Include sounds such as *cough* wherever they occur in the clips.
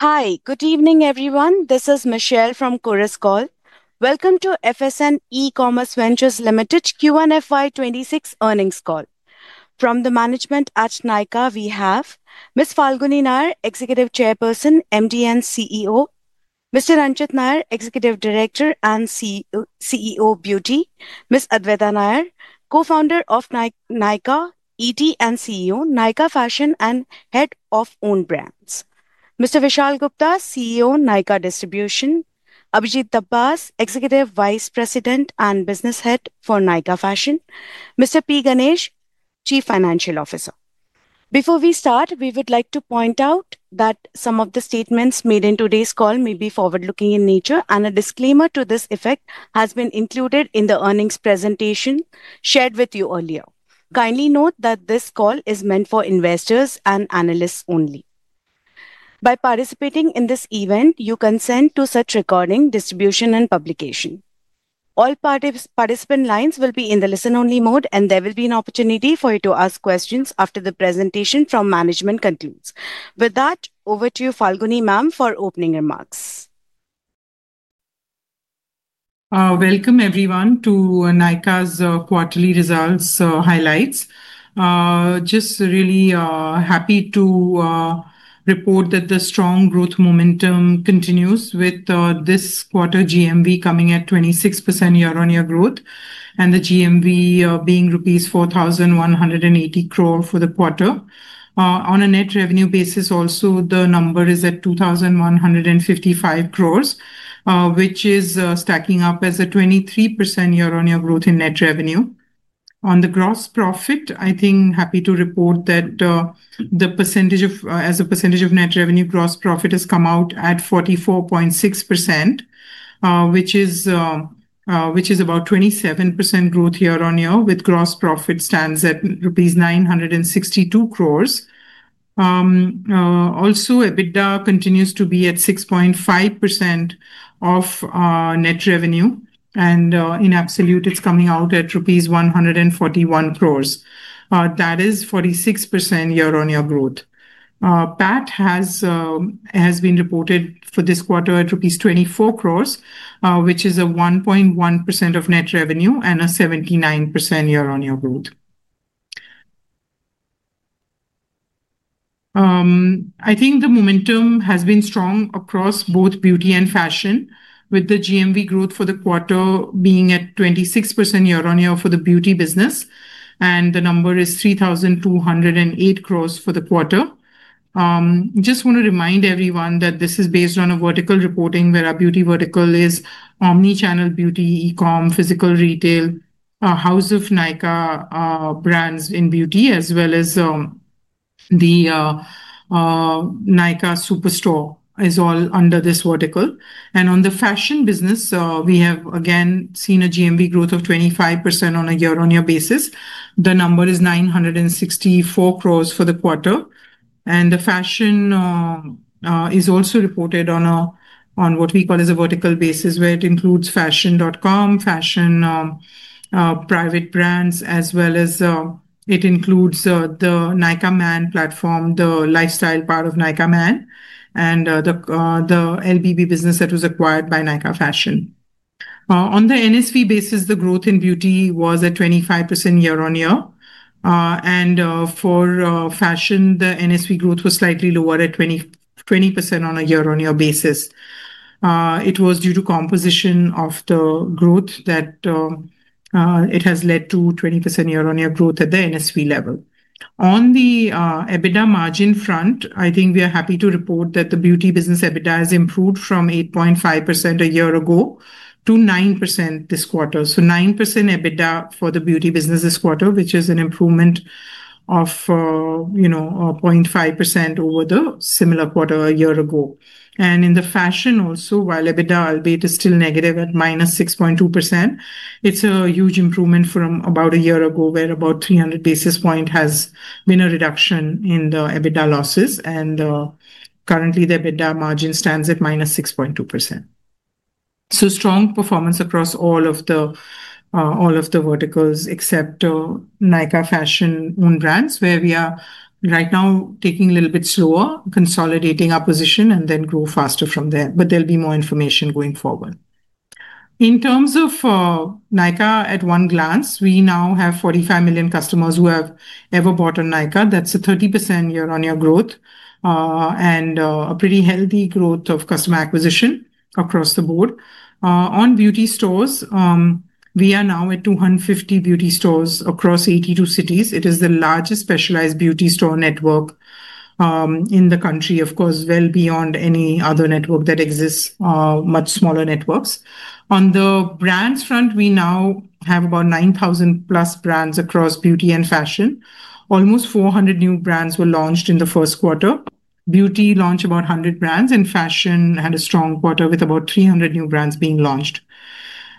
Hi, good evening everyone. This is Michelle from Chorus Call. Welcome to FSN E-Commerce Ventures Ltd Q1 FY26 earnings call. From the management at Nykaa, we have Ms. Falguni Nayar, Executive Chairperson, MD & CEO; Mr. Anchit Nayar, Executive Director & CEO, Beauty; Ms. Adwaita Nayar, Co-founder of Nykaa and CEO, Nykaa Fashion and Head of Owned Brands; Mr. Vishal Gupta, CEO, Nykaa Distribution; Abhijeet Dabas, Executive Vice President and Business Head for Nykaa Fashion; Mr. P. Ganesh, Chief Financial Officer. Before we start, we would like to point out that some of the statements made in today's call may be forward-looking in nature, and a disclaimer to this effect has been included in the earnings presentation shared with you earlier. Kindly note that this call is meant for investors and analysts only. By participating in this event, you consent to such recording, distribution, and publication. All participant lines will be in the listen-only mode, and there will be an opportunity for you to ask questions after the presentation from management concludes. With that, over to you, Falguni Ma'am, for opening remarks. Welcome everyone to Nykaa's Quarterly Results Highlights. Just really happy to report that the strong growth momentum continues with this quarter GMV coming at 26% year-on-year growth and the GMV being rupees 4,180 for the quarter. On a net revenue basis also the number is at 2,155, which is stacking up as a 23% year-on-year growth in net revenue. On the gross profit, I think happy to report that as a percentage of net revenue, gross profit has come out at 44.6%, which is about 27% growth year-on-year, with gross profit standing at rupees 962. Also, EBITDA continues to be at 6.5% of net revenue and in absolute it's coming out at rupees 141. That is 46% year-on-year growth. PAT has been reported for this quarter at rupees 24, which is 1.1% of net revenue and a 79% year-on-year growth. I think the momentum has been strong across both beauty and fashion, with the GMV growth for the quarter being at 26% year-on-year for the beauty business and the number is 3,208 for the quarter. Just want to remind everyone that this is based on a vertical reporting where our beauty vertical is Omnichannel Beauty E-Com, physical retail, House of Nykaa Brands in beauty, as well as the Nykaa Superstore, all under this vertical. On the fashion business, we have again seen a GMV growth of 25% on a year-on-year basis. The number is 964 for the quarter. The fashion is also reported on what we call as a vertical basis, where it includes fashion.com, fashion private brands, as well as it includes the Nykaa Man platform, the lifestyle part of Nykaa Man, and the LBB business that was acquired by Nykaa Fashion. On the NSV basis, the growth in beauty was at 25% year-on-year. For fashion, the NSV growth was slightly lower at 20% on a year-on-year basis. It was due to composition of the growth that it has led to 20% year-on-year growth at the NSV level. On the EBITDA margin front, I think we are happy to report that the beauty business EBITDA has improved from 8.5% a year ago to 9% this quarter. So 9% EBITDA for the beauty business this quarter, which is an improvement of 0.5% over the similar quarter a year ago. In the fashion also, while EBITDA is still negative at -6.2%, it's a huge improvement from about a year ago, where about 300 basis points has been a reduction in the EBITDA losses and currently the EBITDA margin stands at -6.2%. Strong performance across all of the verticals except Nykaa Fashion Owned Brands where we are right now taking a little bit slower, consolidating our position and then grow faster from there. There'll be more information going forward. In terms of Nykaa, at one glance we now have 45 million customers who have ever bought at Nykaa. That's a 30% year-on-year growth and a pretty healthy growth of customer acquisition across the board. On beauty stores, we are now at 250 beauty stores across 82 cities. It is the largest specialized beauty store network in the country, of course well beyond any other network that exists, much smaller networks. On the brands front, we now have about 9,000+ brands across beauty and fashion. Almost 400 new brands were launched in the first quarter. Beauty launched about 100 brands and fashion had a strong quarter with about 300 new brands being launched.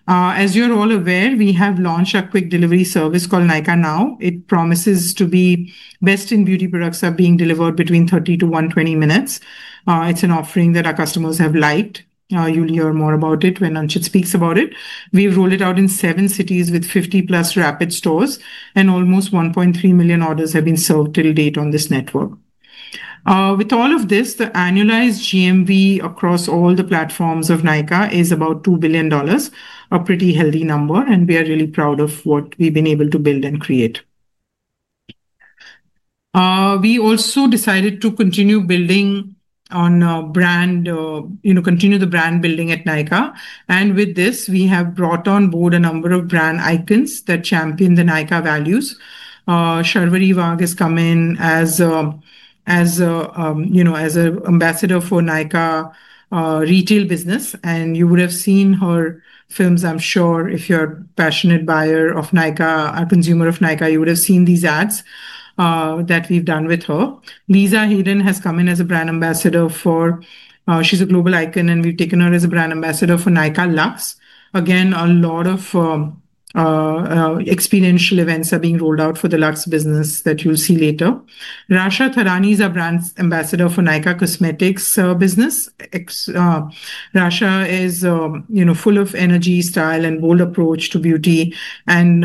As you're all aware, we have launched a quick delivery service called Nykaa Now. It promises to be best in beauty products are being delivered between 30-120 minutes. It's an offering that our customers have liked. You'll hear more about it when Anchit speaks about it. We've rolled it out in seven cities with 50+ rapid stores and almost 1.3 million orders have been served till date on this network. With all of this, the annualized GMV across all the platforms of Nykaa is about $2 billion. A pretty healthy number. Are really proud of what we've been able to build and create. We also decided to continue building on brand, you know, continue the brand building at Nykaa. With this we have brought on board a number of brand icons that champion the Nykaa values. Sharvari Wagh has come in as, as you know, as an ambassador for Nykaa retail business. You would have seen her films. I'm sure if you're a passionate buyer of Nykaa, a consumer of Nykaa, you would have seen these ads that we've done with her. Lisa Haydon has come in as a brand ambassador for, she's a global icon and we've taken her as a brand ambassador for Nykaa Luxe. Again, a lot of experiential events are being rolled out for the Luxe business that you'll see later. Rasha Thadani is our brand ambassador for Nykaa Cosmetics business. Rasha is, you know, full of energy, style and bold approach to beauty and,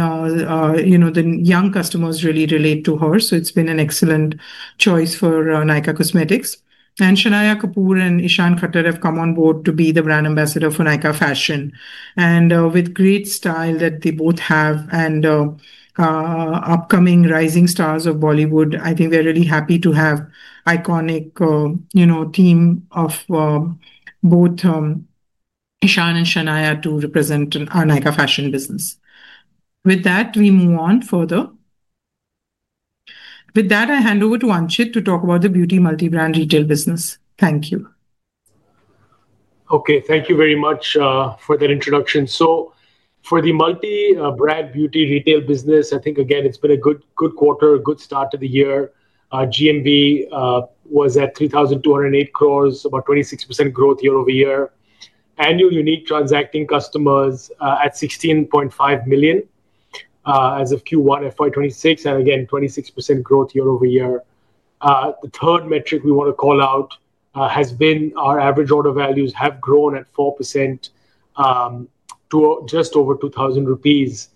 you know, the young customers really relate to her. It's been an excellent choice for Nykaa Cosmetics. Shanaya Kapoor and Ishaan Khatter have come on board to be the brand ambassadors for Nykaa Fashion. With great style that they both have and upcoming rising stars of Bollywood, I think they're really happy to have iconic, you know, team of both Ishaan and Shanaya to represent our Nykaa Fashion business. With that we move on further. With that I hand over to Anchit to talk about the beauty multi brand retail business. Thank you. Okay, thank you very much for that introduction. For the multi-brand beauty retail business, I think again it's been a good, good quarter, good start to the year. GMV was at 3,208, about 26% growth year-over-year. Annual unique transacting customers at 16.5 million as of Q1 FY2026, and again 26% growth year-over-year. The third metric we want to call out has been our average order values have grown at 4% to just over 2,000 rupees.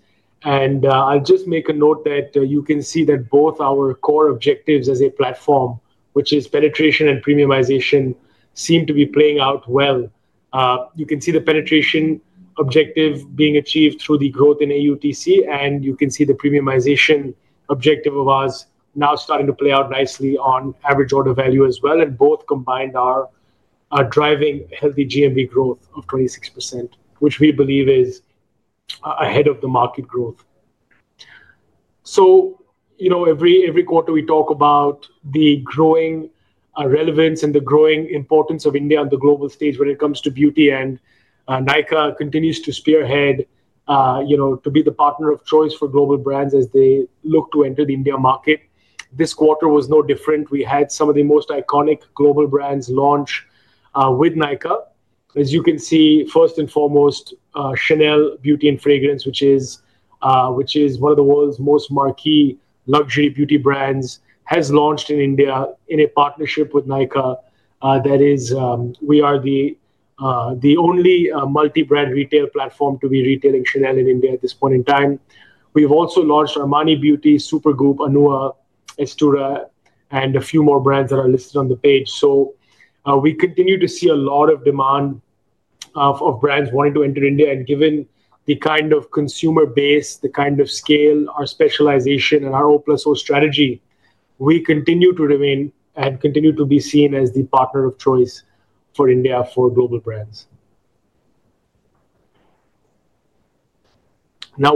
I'll just make a note that you can see that both our core objectives as a platform, which are penetration and premiumization, seem to be playing out well. You can see the penetration objective being achieved through the growth in AUTC, and you can see the premiumization objective of ours now starting to play out nicely on average order value as well. Both combined are driving healthy GMV growth of 26%, which we believe is ahead of the market growth. Every quarter we talk about the growing relevance and the growing importance of India on the global stage when it comes to beauty. Nykaa continues to spearhead, to be the partner of choice for global brands as they look to enter the India market. This quarter was no different. We had some of the most iconic global brands launch with Nykaa. As you can see, first and foremost, CHANEL Beauty and Fragrance, which is one of the world's most marquee luxury beauty brands, has launched in India in a partnership with Nykaa. We are the only multi-brand retail platform to be retailing CHANEL in India at this point in time. We've also launched Armani Beauty, Supergoop!, Anua, Estura, and a few more brands that are listed on the page. We continue to see a lot of demand of brands wanting to enter India, and given the kind of consumer base, the kind of scale, our specialization, and our omnichannel strategy, we continue to remain and continue to be seen as the partner of choice for India for global brands. Now,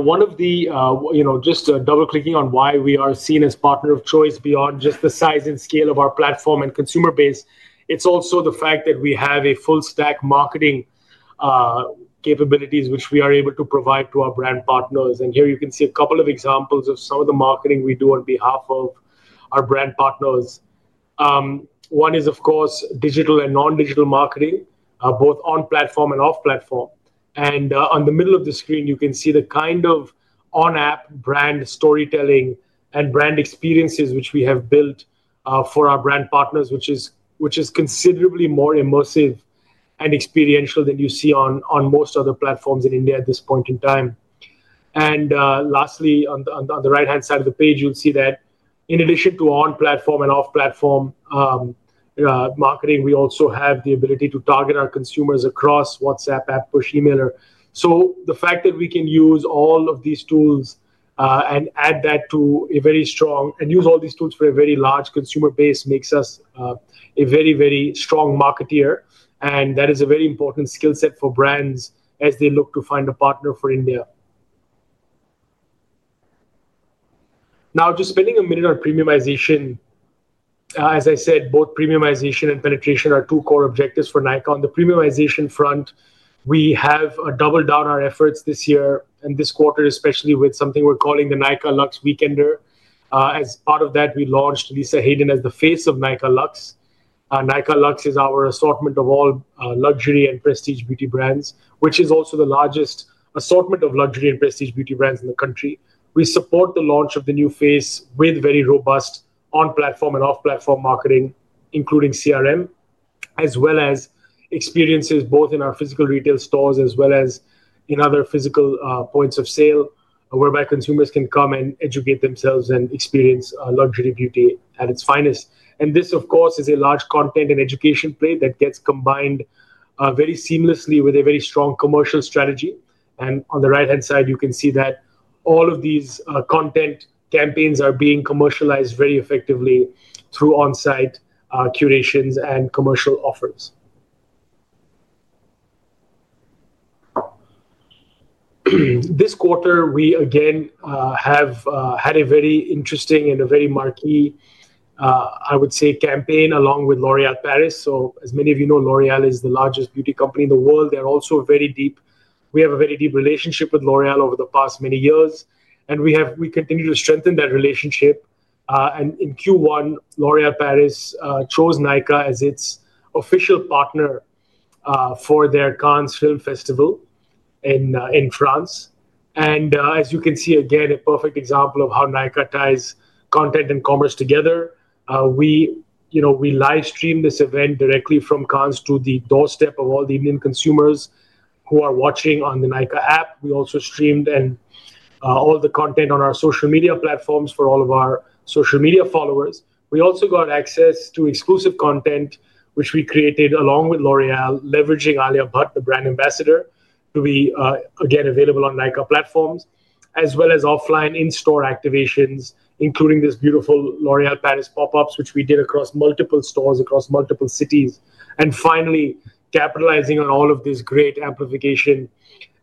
just double clicking on why we are seen as partner of choice beyond just the size and scale of our platform and consumer base, it's also the fact that we have full stack marketing capabilities which we are able to provide to our brand partners. Here you can see a couple of examples of some of the marketing we do on behalf of our brand partners. One is, of course, digital and non-digital marketing both on platform and off platform. In the middle of the screen you can see the kind of on-app brand storytelling and brand experiences which we have built for our brand partners, which is considerably more immersive and experiential than you see on most other platforms in India at this point in time. Lastly, on the right-hand side of the page you'll see that in addition to on-platform and off-platform marketing, we also have the ability to target our consumers across WhatsApp and push emailer. The fact that we can use all of these tools and add that to a very strong and use all these tools for a very large consumer base makes us a very, very strong marketeer. That is a very important skill set for brands as they look to find a partner for India. Now, just spending a minute on premiumization. As I said, both premiumization and penetration are two core objectives for Nykaa. On the premiumization front, we have doubled down our efforts this year and this quarter, especially with something we're calling the Nykaa Luxe Weekender. As part of that, we launched Lisa Hayden as the face of Nykaa Luxe. Nykaa Luxe is our assortment of all luxury and prestige beauty brands, which is also the largest assortment of luxury and prestige beauty brands in the country. We support the launch of the new face with very robust on-platform and off-platform marketing, including CRM, as well as experiences both in our physical retail stores as well as in other physical points of sale whereby consumers can come and educate themselves and experience luxury beauty at its finest. This, of course, is a large content and education play that gets combined very seamlessly with a very strong commercial strategy. On the right-hand side you can see that all of these content campaigns are being commercialized very effectively through on-site curations and commercial offers. This quarter we again have had a very interesting and a very marquee, I would say, campaign along with L’Oréal Paris. As many of you know, L’Oréal is the largest beauty company in the world. We have a very deep relationship with L’Oréal over the past many years and we continue to strengthen that relationship. In Q1, L’Oréal Paris chose Nykaa as its official partner for their Cannes Film Festival in France. As you can see, again, a perfect example of how Nykaa ties content and commerce together. We live stream this event directly from Cannes to the doorstep of all the Indian consumers who are watching on the Nykaa app. We also streamed all the content on our social media platforms for all of our social media followers. We also got access to exclusive content which we created along with L’Oréal Paris, leveraging Alia Bhatt, the brand ambassador, to be again available on Nykaa platforms as well as offline in-store activations, including this beautiful L’Oréal Paris pop-up which we did across multiple stores, across multiple cities. Finally, capitalizing on all of this great amplification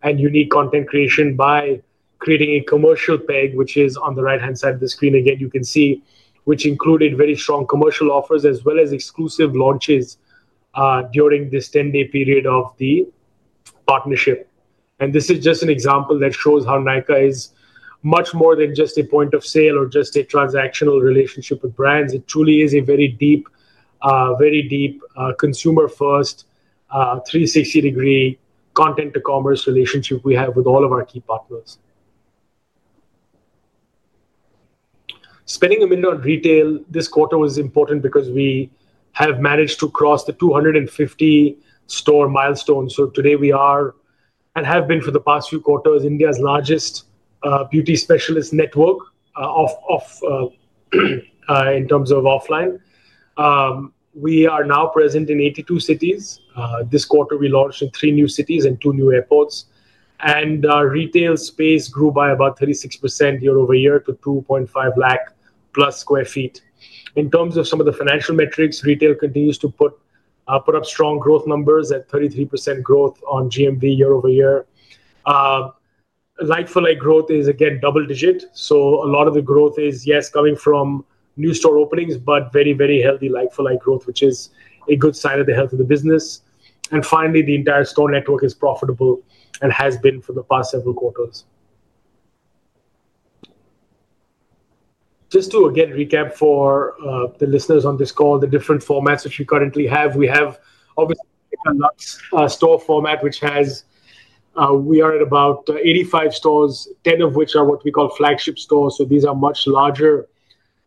and unique content creation by creating a commercial peg, which is on the right-hand side of the screen, you can see, which included very strong commercial offers as well as exclusive launches during this 10-day period of the partnership. This is just an example that shows how Nykaa is much more than just a point of sale or just a transactional relationship with brands. It truly is a very deep, very deep consumer-first 360-degree content-to-commerce relationship we have with all of our key partners. Spending a minute on retail this quarter was important because we have managed to cross the 250-store milestone. Today we are, and have been for the past few quarters, India's largest beauty specialist network. In terms of offline, we are now present in 82 cities. This quarter we launched in three new cities and two new airports, and our retail space grew by about 36% year-over-year to 2.5+ lakh sq ft. In terms of some of the financial metrics, retail continues to put up strong growth numbers at 33% growth on GMV year-over-year. Like-for-like growth is again double digit. A lot of the growth is coming from new store openings, but very, very healthy like-for-like growth, which is a good sign of the health of the business. Finally, the entire store network is profitable and has been for the past several quarters. Just to recap for the listeners on this call, the different formats that we currently have, we have obviously store format which has. We are at about 85 stores, 10 of which are what we call flagship stores. These are much larger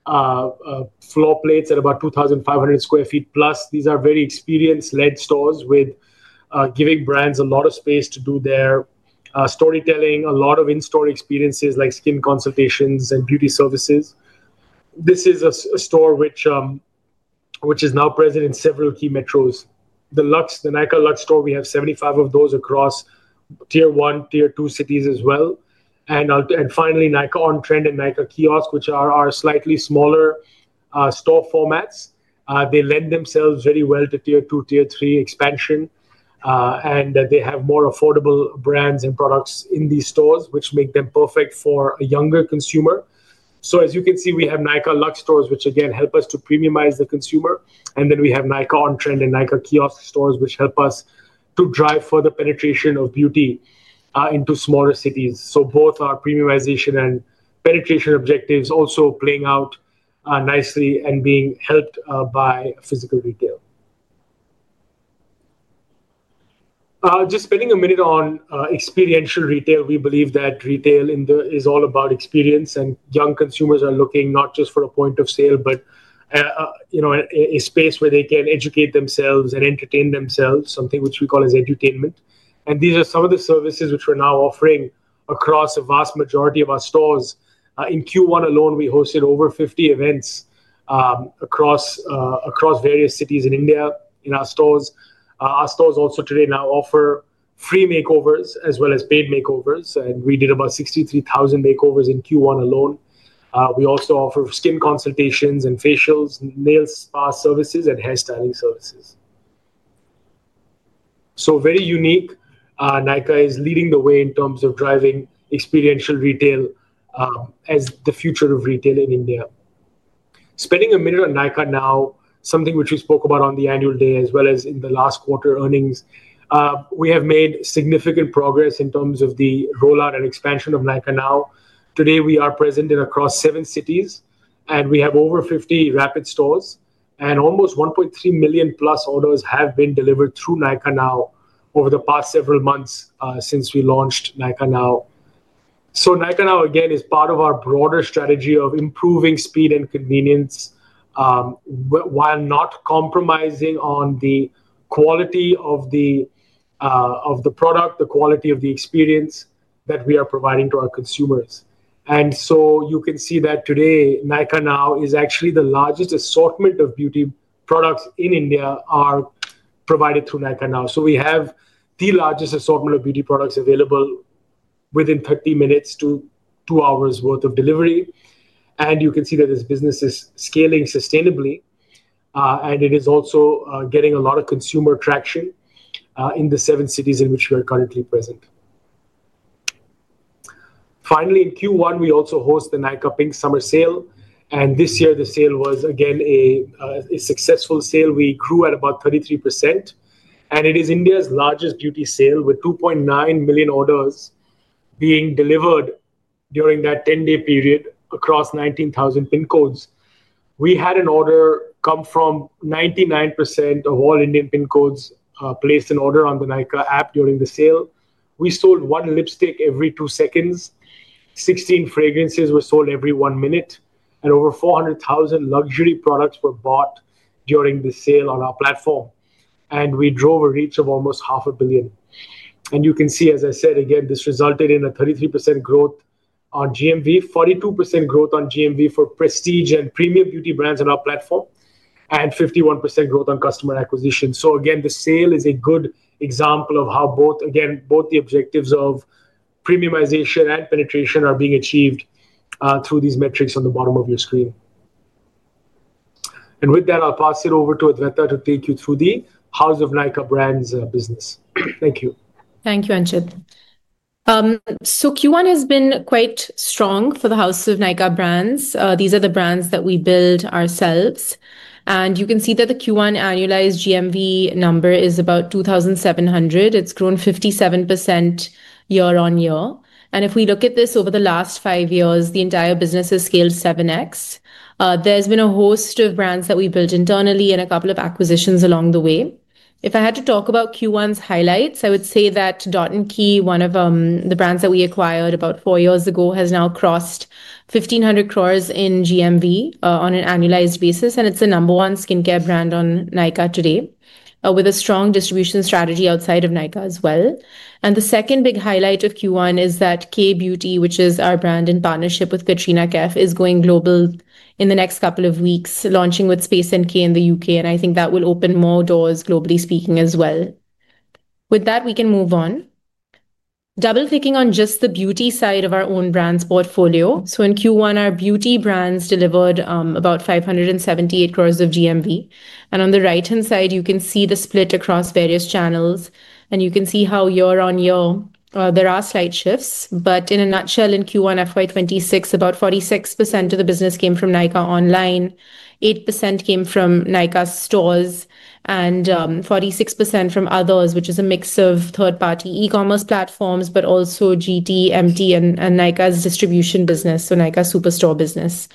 floor plates at about 2,500+ sq ft. These are very experience-led stores, giving brands a lot of space to do their storytelling, a lot of in-store experiences like skin consultations and beauty services. This is a store which is now present in several key metros. The Nykaa Luxe store, we have 75 of those across Tier 1, Tier 2 cities as well. Finally, Nykaa On Trend and Nykaa Kiosk, which are our slightly smaller store formats, lend themselves very well to Tier 2, Tier 3 expansion, and they have more affordable brands and products in these stores, which make them perfect for a younger consumer. As you can see, we have Nykaa Luxe stores, which again help us to premiumize the consumer. We have Nykaa On Trend and Nykaa Kiosk stores, which help us to drive further penetration of beauty into smaller cities. Both our premiumization and penetration objectives are also playing out nicely and being helped by physical retail. Just spending a minute on experiential retail. We believe that retail is all about experience, and young consumers are looking not just for a point of sale but, you know, a space where they can educate themselves and entertain themselves, something which we call as edutainment. These are some of the services which we're now offering across a vast majority of our stores. In Q1 alone, we hosted over 50 events across various cities in India in our stores. Our stores also today now offer free makeovers as well as paid makeovers, and we did about 63,000 makeovers in Q1 alone. We also offer skin consultations and facials, nail spa services, and hair styling services. Very unique. Nykaa is leading the way in terms of driving experiential retail as the future of retail in India. Spending a minute on Nykaa Now, something which we spoke about on the annual day as well as in the last quarter earnings, we have made significant progress in terms of the rollout and expansion of Nykaa Now. Today, we are present across seven cities, and we have over 50 Rapid stores, and almost 1.3+ million orders have been delivered through Nykaa Now over the past several months since we launched Nykaa Now. Nykaa Now again is part of our broader strategy of improving speed and convenience while not compromising on the quality of the product, the quality of the experience that we are providing to our consumers. You can see that today Nykaa Now is actually the largest assortment of beauty products in India provided through Nykaa Now. We have the largest assortment of beauty products available within 30 minutes to 2 hours of delivery. You can see that this business is scaling sustainably and it is also getting a lot of consumer traction in the seven cities in which we are currently present. Finally, in Q1 we also host the Nykaa Pink Summer Sale. This year the sale was again a successful sale. We grew at about 33% and it is India's largest beauty sale with 2.9 million orders being delivered during that 10-day period across 19,000 pin codes. We had an order come from 99% of all Indian pin codes, placed an order on the Nykaa app. During the sale we sold one lipstick every two seconds, 16 fragrances were sold every one minute, and over 400,000 luxury products were bought during the sale on our platform. We drove a reach of almost 500 million. As I said again, this resulted in a 33% growth on GMV, 42% growth on GMV for prestige and premium beauty brands on our platform, and 51% growth on customer acquisition. The sale is a good example of how both the objectives of premiumization and penetration are being achieved through these metrics on the bottom of your screen. With that, I'll pass it over to Adwaita to take you through the House of Nykaa Brands business. Thank you. Thank you, Anchit. Q1 has been quite strong for the House of Nykaa Brands. These are the brands that we build ourselves. You can see that the Q1 annualized GMV number is about 2,700. It's grown 57% year-on-year, and if we look at this over the last five years, the entire business has scaled 7X. There's been a host of brands that we built internally and a couple of acquisitions along the way. If I had to talk about Q1's highlights, I would say that Dot & Key, one of the brands that we acquired about four years ago, has now crossed 1,500 in GMV on an annualized basis, and it's the number one skincare brand on Nykaa today with a strong distribution strategy outside of Nykaa as well. The second big highlight of Q1 is that Kay Beauty, which is our brand in partnership with Katrina Kaif, is going global in the next couple of weeks, launching with Space NK in the U.K. I think that will open more doors globally speaking as well. With that, we can move on, double clicking on just the beauty side of our own brands portfolio. In Q1, our beauty brands delivered about 578 of GMV. On the right-hand side, you can see the split across various channels and you can see how year-on-year there are slight shifts. In a nutshell, in Q1 FY2026, about 46% of the business came from Nykaa online, 8% came from Nykaa stores, and 46% from others, which is a mix of third-party e-commerce platforms but also GT, MT, and Nykaa's distribution business, so Nykaa Superstore business.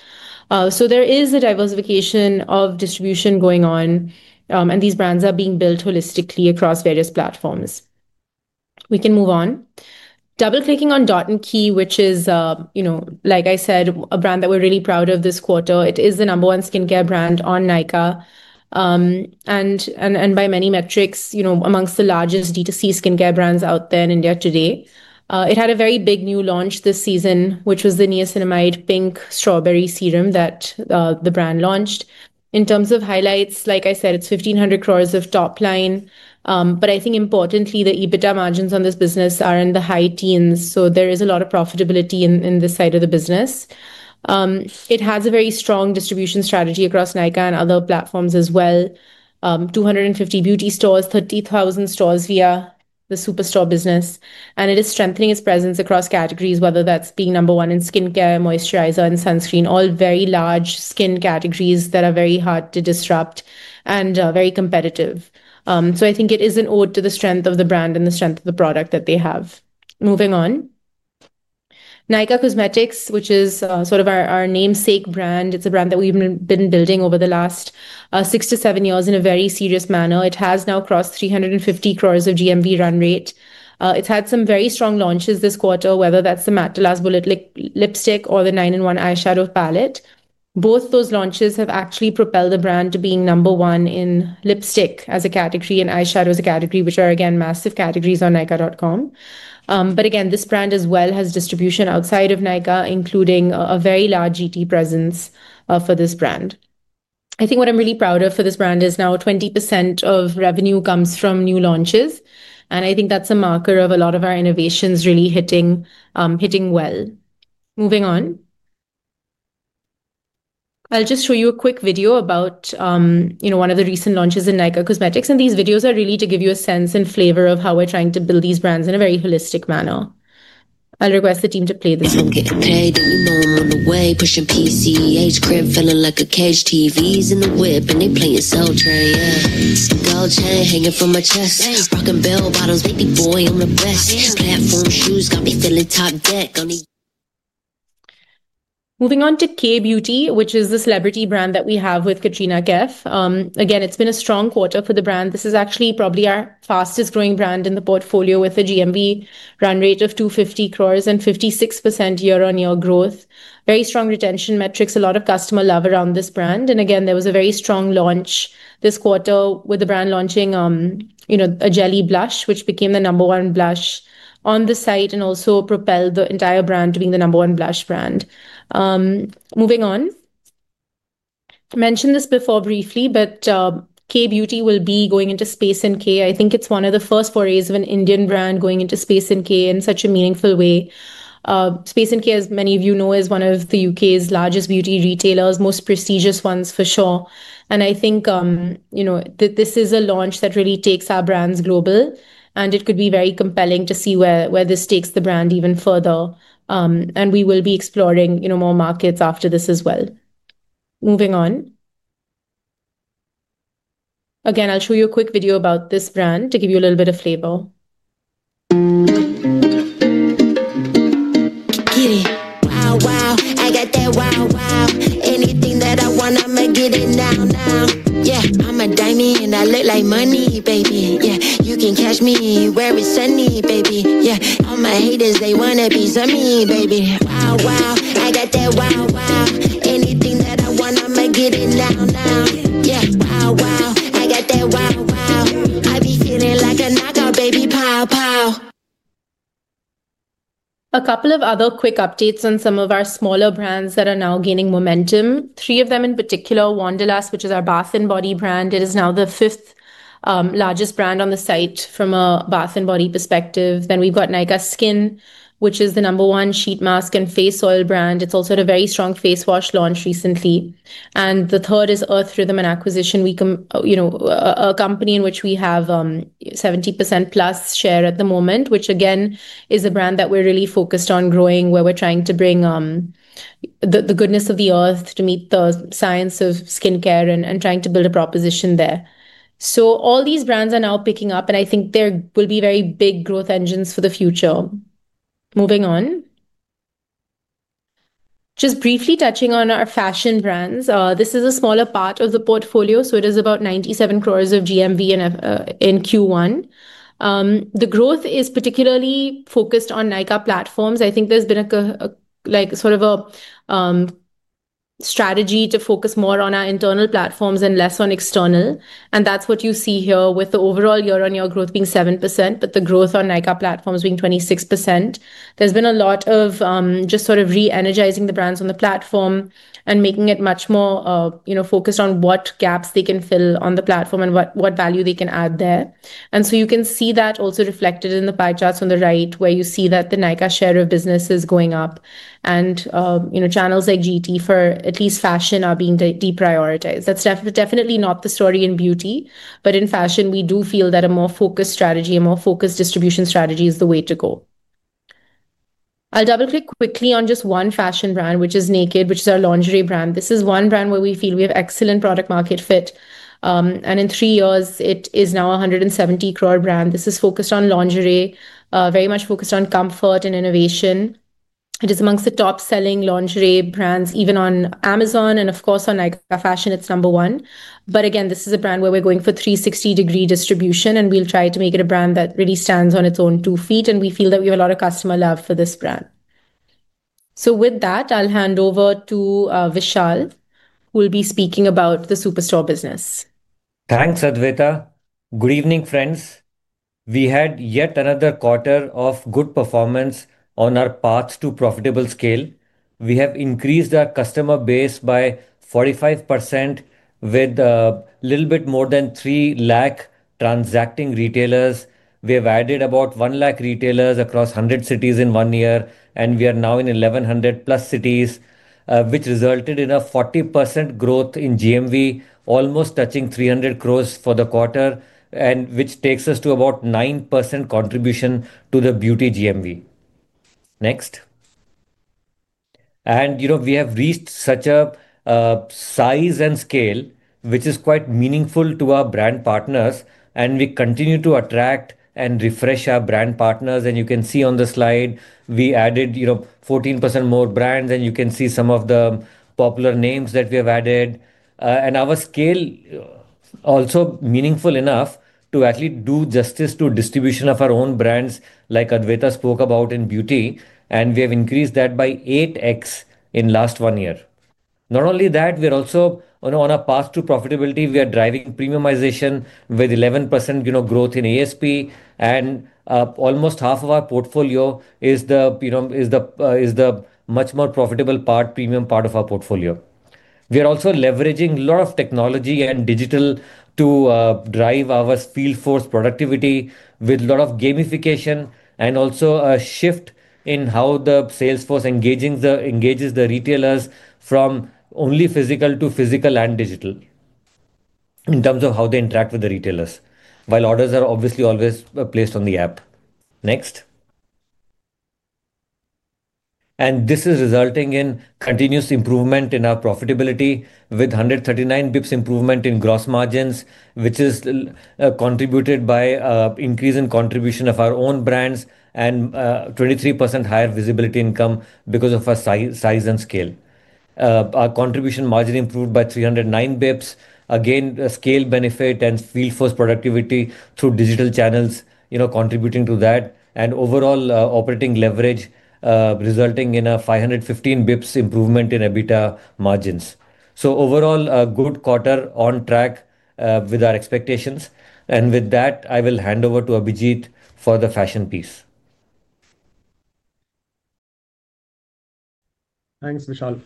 There is a diversification of distribution going on and these brands are being built holistically across various platforms. We can move on, double clicking on Dot & Key, which is, like I said, a brand that we're really proud of this quarter. It is the number one skincare brand on Nykaa and by many metrics amongst the largest D2C skincare brands out there in India today. It had a very big new launch this season, which was the Niacinamide Pink Strawberry Serum that the brand launched. In terms of highlights, like I said, it's 1,500 of top line. Importantly, the EBITDA margins on this business are in the high teens, so there is a lot of profitability in this side of the business. It has a very strong distribution strategy across Nykaa and other platforms as well: 250 beauty stores, 30,000 stores via the Superstore business. It is strengthening its presence across categories, whether that's being number one in skincare, moisturizer, and sunscreen, all very large skin categories that are very hard to disrupt and very competitive. I think it is an ode to the strength of the brand and the strength of the product that they have. Moving on, Nykaa Cosmetics, which is sort of our namesake brand, is a brand that we've been building over the last six to seven years in a very serious manner. It has now crossed 350 of GMV run rate. It's had some very strong launches this quarter, whether that's the Matte Bullet Lick lipstick or the 9 in 1 eyeshadow palette. Both those launches have actually propelled the brand to being number one in lipstick as a category and eyeshadow as a category, which are again massive categories on nykaa.com. This brand as well has distribution outside of Nykaa, including a very large GT presence for this brand. What I'm really proud of for this brand is now 20% of revenue comes from new launches and I think that's a marker of a lot of our innovations really hitting well. Moving on, I'll just show you a quick video about one of the recent launches in Nykaa Cosmetics and these videos are really to give you a sense and flavor of how we're trying to build these brands in a very holistic manner. I'll request the team to play this one here. Hey, the email on the way, pushing. PC8 crib feeling like a cage TVs. In the whip and they play your. Cell tray, well, chain hanging from my. Chest rocking bell bottles. Baby boy on the vest. Platform shoes got me feeling top deck on the. Moving on to Kay Beauty, which is the celebrity brand that we have with Katrina Kaif. Again, it's been a strong quarter for the brand. This is actually probably our fastest growing brand in the portfolio with the GMV run rate of 250 and 56% year-on-year growth, very strong retention metrics, a lot of customer love around this brand. There was a very strong launch this quarter with the brand launching a Jelly Blush, which became the number one blush on the site and also propelled the entire brand to being the number one blush brand. Mentioned this before briefly, but Kay Beauty will be going into Space NK. I think it's one of the first forays of an Indian brand going into Space NK in such a meaningful way. Space NK, as many of you know, is one of the U.K.'s largest beauty retailers, most prestigious ones for sure. I think you know that this is a launch that really takes our brands global and it could be very compelling to see where this takes the brand even further. We will be exploring more markets after this as well. Moving on again, I'll show you a quick video about this brand to give you a little bit of flavor. Wow, wow. I got that wow, wow. Anything that I want, I'm getting, yeah. I'm a diamond and I look like. Money baby, yeah, you can catch me where it's sunny, baby, yeah, all my haters, they wanna be some mean, baby. Oh wow. I got that wow. Anything that I want I'm going to get it now, now, yeah, wow, wow, I got that wow, wow. I be feeling like another baby. Pow pow. A couple of other quick updates on some of our smaller brands that are now gaining momentum. Three of them in particular: Wanderlust, which is our bath and body brand. It is now the fifth largest brand on the site from a bath and body perspective. Then we've got Nykaa Skin, which is the number one sheet mask and face oil brand. It's also had a very strong face wash launch recently. The third is Earth Rhythm, an acquisition. We have a company in which we have 70%+ share at the moment, which again is a brand that we're really focused on growing, where we're trying to bring the goodness of the earth to meet the science of skincare and trying to build a proposition there. All these brands are now picking up and I think there will be very big growth engines for the future. Moving on, just briefly touching on our fashion brands. This is a smaller part of the portfolio, so it is about 97 of GMV in Q1. The growth is particularly focused on Nykaa platforms. I think there's been a strategy to focus more on our internal platforms and less on external. That's what you see here with the overall year-on-year growth being 7%, but the growth on Nykaa platforms being 26%. There's been a lot of re-energizing the brands on the platform and making it much more focused on what gaps they can fill on the platform and what value they can add there. You can see that also reflected in the pie charts on the right where you see that the Nykaa share of business is going up and channels like GT for at least fashion are being deprioritized. That's definitely not the story in beauty, but in fashion we do feel that a more focused strategy, a more focused distribution strategy is the way to go. I'll double click quickly on just one fashion brand, which is Nykd, which is our lingerie brand. This is one brand where we feel we have excellent product market fit and in three years it is now an 170 brand. This is focused on lingerie, very much focused on comfort and innovation. It is amongst the top selling lingerie brands even on Amazon and of course on Nykaa Fashion it's number one. This is a brand where we're going for 360 degree distribution and we'll try to make it a brand that really stands on its own two feet and we feel that we have a lot of customer love for this brand. With that, I'll hand over to Vishal, who will be speaking about the Superstore business. Thanks Adwaita. Good evening friends. We had yet another quarter of good performance on our path to profitable scale. We have increased our customer base by 45% with a little bit more than 300,000 transacting retailers. We have added about 100,000 retailers across 100 cities in one year and we are now in 1,100+ cities, which resulted in a 40% growth in GMV, almost touching 300 for the quarter, which takes us to about 9% contribution to the beauty GMV next. We have reached such a size and scale which is quite meaningful to our brand partners and we continue to attract and refresh our brand partners. You can see on the slide we added 14% more brands and you can see some of the popular names that we have added. Our scale is also meaningful enough to actually do justice to distribution of our own brands like Adwaita spoke about in beauty and we have increased that by 8X in the last one year. Not only that, we're also on a path to profitability. We are driving premiumization with 11% growth in ASP and almost half of our portfolio is the much more profitable premium part of our portfolio. We are also leveraging a lot of technology and digital to drive our field force productivity with a lot of gamification and also a shift in how the salesforce engages the retailers from only physical to physical and digital in terms of how they interact with the retailers. While orders are obviously always placed on the app next, this is resulting in continuous improvement in our profitability with 139 bps improvement in gross margins, which is contributed by increase in contribution of our own brands and 23% higher visibility income because of our size and scale. Our contribution margin improved by 309 bps. Again, scale benefit and field force productivity through digital channels contributing to that and overall operating leverage resulting in a 515 bps improvement in EBITDA margins. Overall, a good quarter on track with our expectations. With that, I will hand over to Abhijeet for the fashion piece. Thanks Vishal.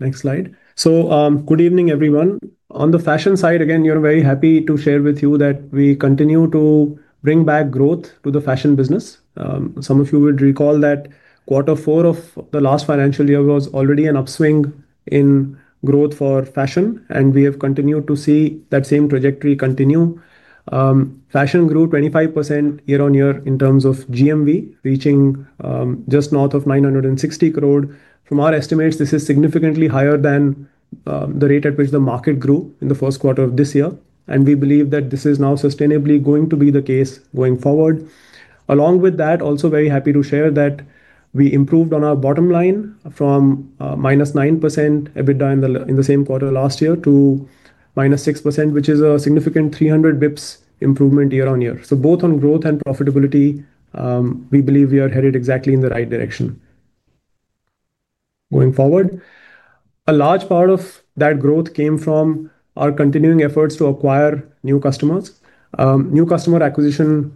Next slide. Good evening everyone. On the fashion side again, we're very happy to share with you that we continue to bring back growth to the fashion business. Some of you would recall that quarter four of the last financial year was already an upswing in growth for fashion, and we have continued to see that same trajectory continue. Fashion grew 25% year-on-year in terms of GMV, reaching just north of 960 from our estimates. This is significantly higher than the rate at which the market grew in the first quarter of this year, and we believe that this is now sustainably going to be the case going forward. Along with that, also very happy to share that we improved on our bottom line from -9% EBITDA in the same quarter last year to -6%, which is a significant 300 bps improvement year-on-year. Both on growth and profitability, we believe we are headed exactly in the right direction going forward. A large part of that growth came from our continuing efforts to acquire new customers. New customer acquisition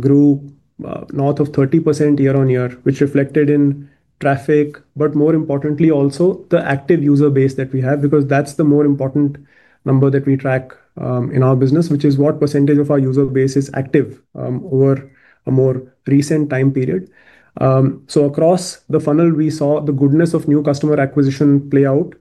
grew North of 30% year-on-year, which reflected in traffic, but more importantly also the active user base that we have because that's the more important number that we track in our business, which is what percentage of our user base is active over a more recent time period. Across the funnel, we saw the goodness of new customer acquisition play out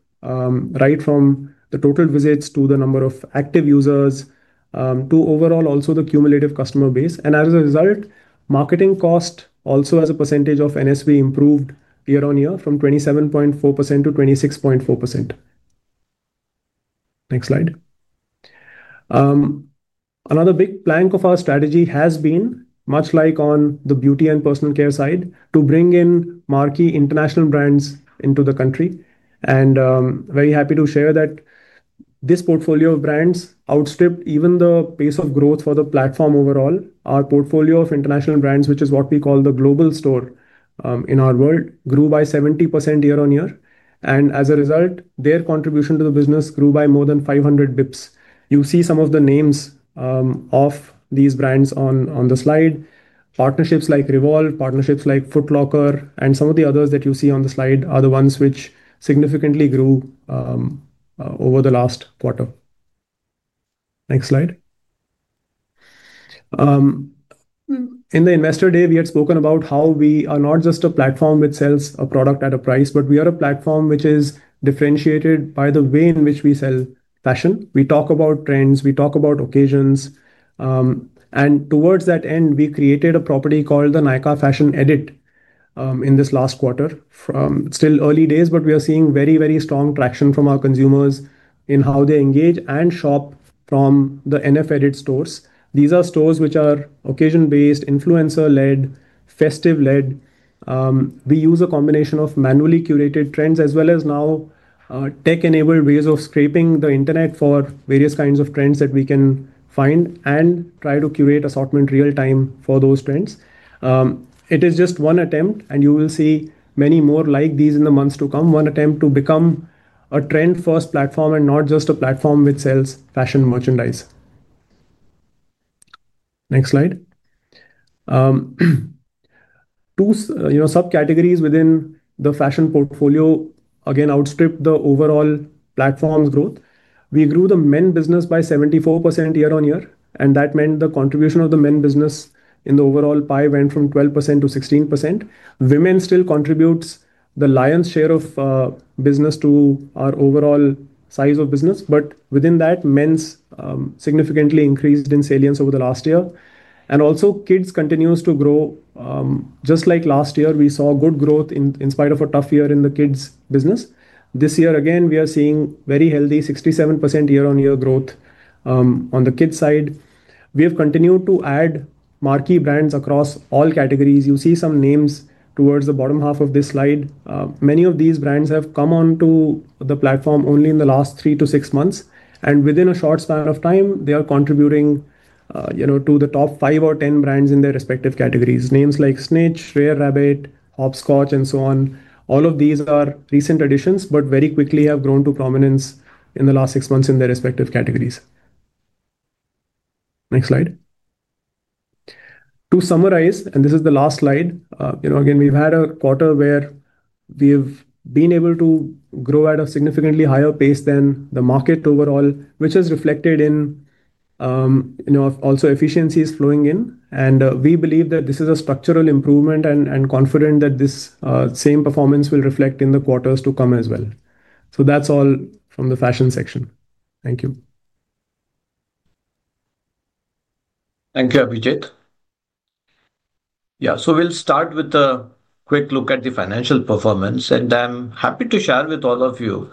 right from the total visits to the number of active users to overall also the cumulative customer base, and as a result, marketing cost also as a percentage of NSV improved year-on-year from 27.4% to 26.4%. Next slide. Another big plank of our strategy has been, much like on the beauty and personal care side, to bring in marquee international brands into the country. I am very happy to share that this portfolio of brands outstripped even the pace of growth for the platform. Overall, our portfolio of international brands, which is what we call the global store in our world, grew by 70% year-on-year and as a result, their contribution to the business grew by more than 500 bps. You see some of the names of these brands on the slide, partnerships like Revolve, partnerships like Footlocker, and some of the others that you see on the slide are the ones which significantly grew over the last quarter. Next slide. In the investor day we had spoken about how we are not just a platform which sells a product at a price, but we are a platform which is differentiated by the way in which we sell fashion. We talk about trends, we talk about occasions, and towards that end we created a property called the Nykaa Fashion Edit. In this last quarter, still early days, but we are seeing very, very strong traction from our consumers in how they engage and shop from the NF Edit stores. These are stores which are occasion based, influencer led, festive led. We use a combination of manually curated trends as well as now tech-enabled ways of scraping the Internet for various kinds of trends that we can find and try to curate assortment real time for those trends. It is just one attempt, and you will see many more like these in the months to come. One attempt to become a trend-first platform and not just a platform which sells fashion merchandise. Next slide. Two subcategories within the fashion portfolio again outstripped the overall platform's growth. We grew the men business by 74% year-on-year, and that meant the contribution of the men business in the overall pie went from 12% to 16%. Women still contributes the lion's share of business to our overall size of business, but within that, men's significantly increased in salience over the last year, and also kids continues to grow. Just like last year, we saw good growth in spite of a tough year in the kids business. This year again, we are seeing very healthy 67% year-on-year growth. On the kids side, we have continued to add marquee brands across all categories. You see some names towards the bottom half of this slide. Many of these brands have come on to the platform only in the last three to six months, and within a short span of time, they are contributing to the top five or 10 brands in their respective categories. Names like Snitch, Rare Rabbit, Hopscotch, and so on. All of these are recent additions but very quickly have grown to prominence in the last six months in their respective categories. Next slide. To summarize, and this is the last slide. We've had a quarter where we have been able to grow at a significantly higher pace than the market overall, which is reflected in also efficiencies flowing in, and we believe that this is a structural improvement and confident that this same performance will reflect in the quarters to come as well. That's all from the fashion section. Thank you. Thank you, Abhijeet. Yeah. We'll start with a quick look at the financial performance, and I'm happy to share with all of you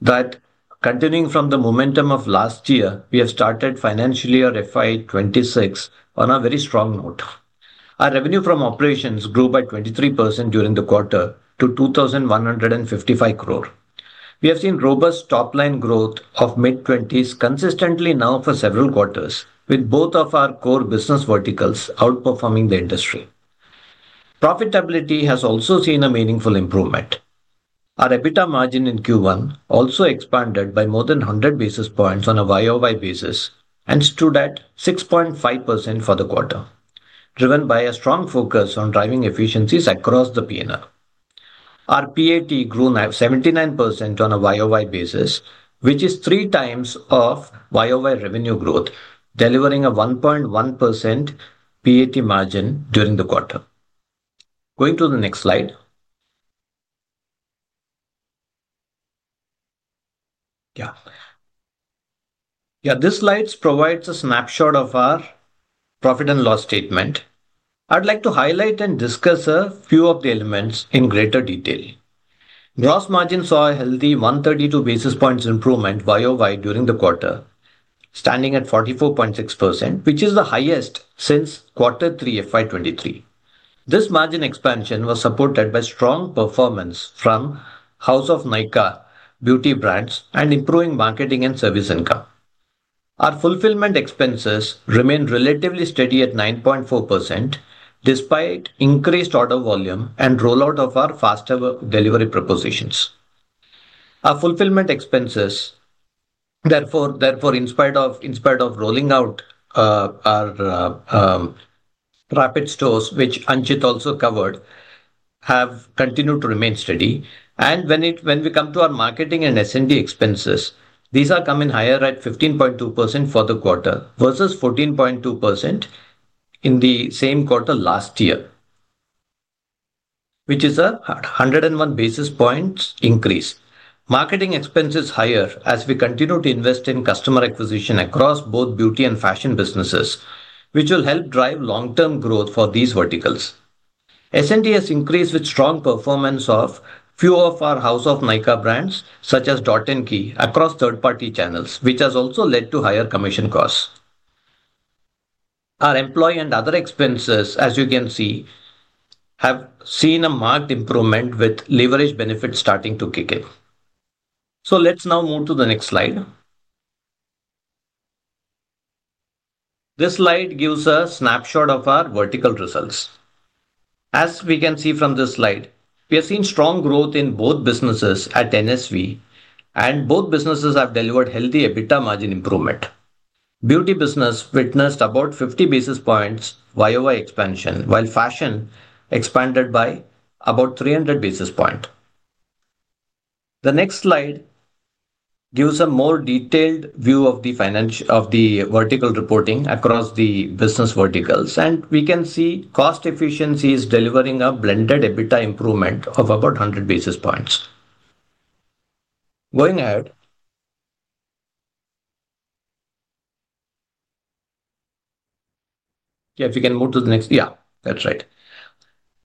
that continuing from the momentum of last year, we have started financial year 2026 on a very strong note. Our revenue from operations grew by 23% during the quarter to 2,155. We have seen robust top line growth of mid 20s consistently now for several quarters, with both of our core business verticals outperforming the industry. Profitability has also seen a meaningful improvement. Our EBITDA margin in Q1 also expanded by more than 100 basis points on a YoY basis and stood at 6.5% for the quarter, driven by a strong focus on driving efficiencies across the P&L. Our PAT grew 79% on a YoY basis, which is three times YoY revenue growth, delivering a 1.1% PAT margin during the quarter. Going to the next slide. Yeah. This slide provides a snapshot of our profit and loss statement. I'd like to highlight and discuss a few of the elements in greater detail. Gross margin saw a healthy 132 basis points improvement YoY during the quarter, standing at 44.6%, which is the highest since quarter 3 FY2023. This margin expansion was supported by strong performance from House of Nykaa Beauty Brands and improving marketing and service income. Our fulfillment expenses remained relatively steady at 9.4% despite increased order volume and rollout of our faster delivery propositions. Our fulfillment expenses, therefore, in spite of rolling out our rapid stores which Anchit also covered, have continued to remain steady. When we come to our marketing and S&D expenses, these are coming higher at 15.2% for the quarter versus 14.2% in the same quarter last year, which is a 101 basis points increase. Marketing expense is higher as we continue to invest in customer acquisition across both beauty and fashion businesses, which will help drive long-term growth for these verticals. S&D has increased with strong performance of a few of our House of Nykaa Brands such as Dot & Key across third-party channels, which has also led to higher commission costs. Our employee and other expenses, as you can see, have seen a marked improvement with leverage benefits starting to kick in. Let's now move to the next slide. This slide gives a snapshot of our vertical results. As we can see from this slide, we have seen strong growth in both businesses at NSV, and both businesses have delivered healthy EBITDA margin improvement. Beauty business witnessed about 50 basis points YoY expansion, while fashion expanded by about 300 basis points. The next slide gives a more detailed view of the vertical reporting across the business verticals, and we can see cost efficiency is delivering a blended EBITDA improvement of about 100 basis points. Going ahead. If you can move to the next. That's right.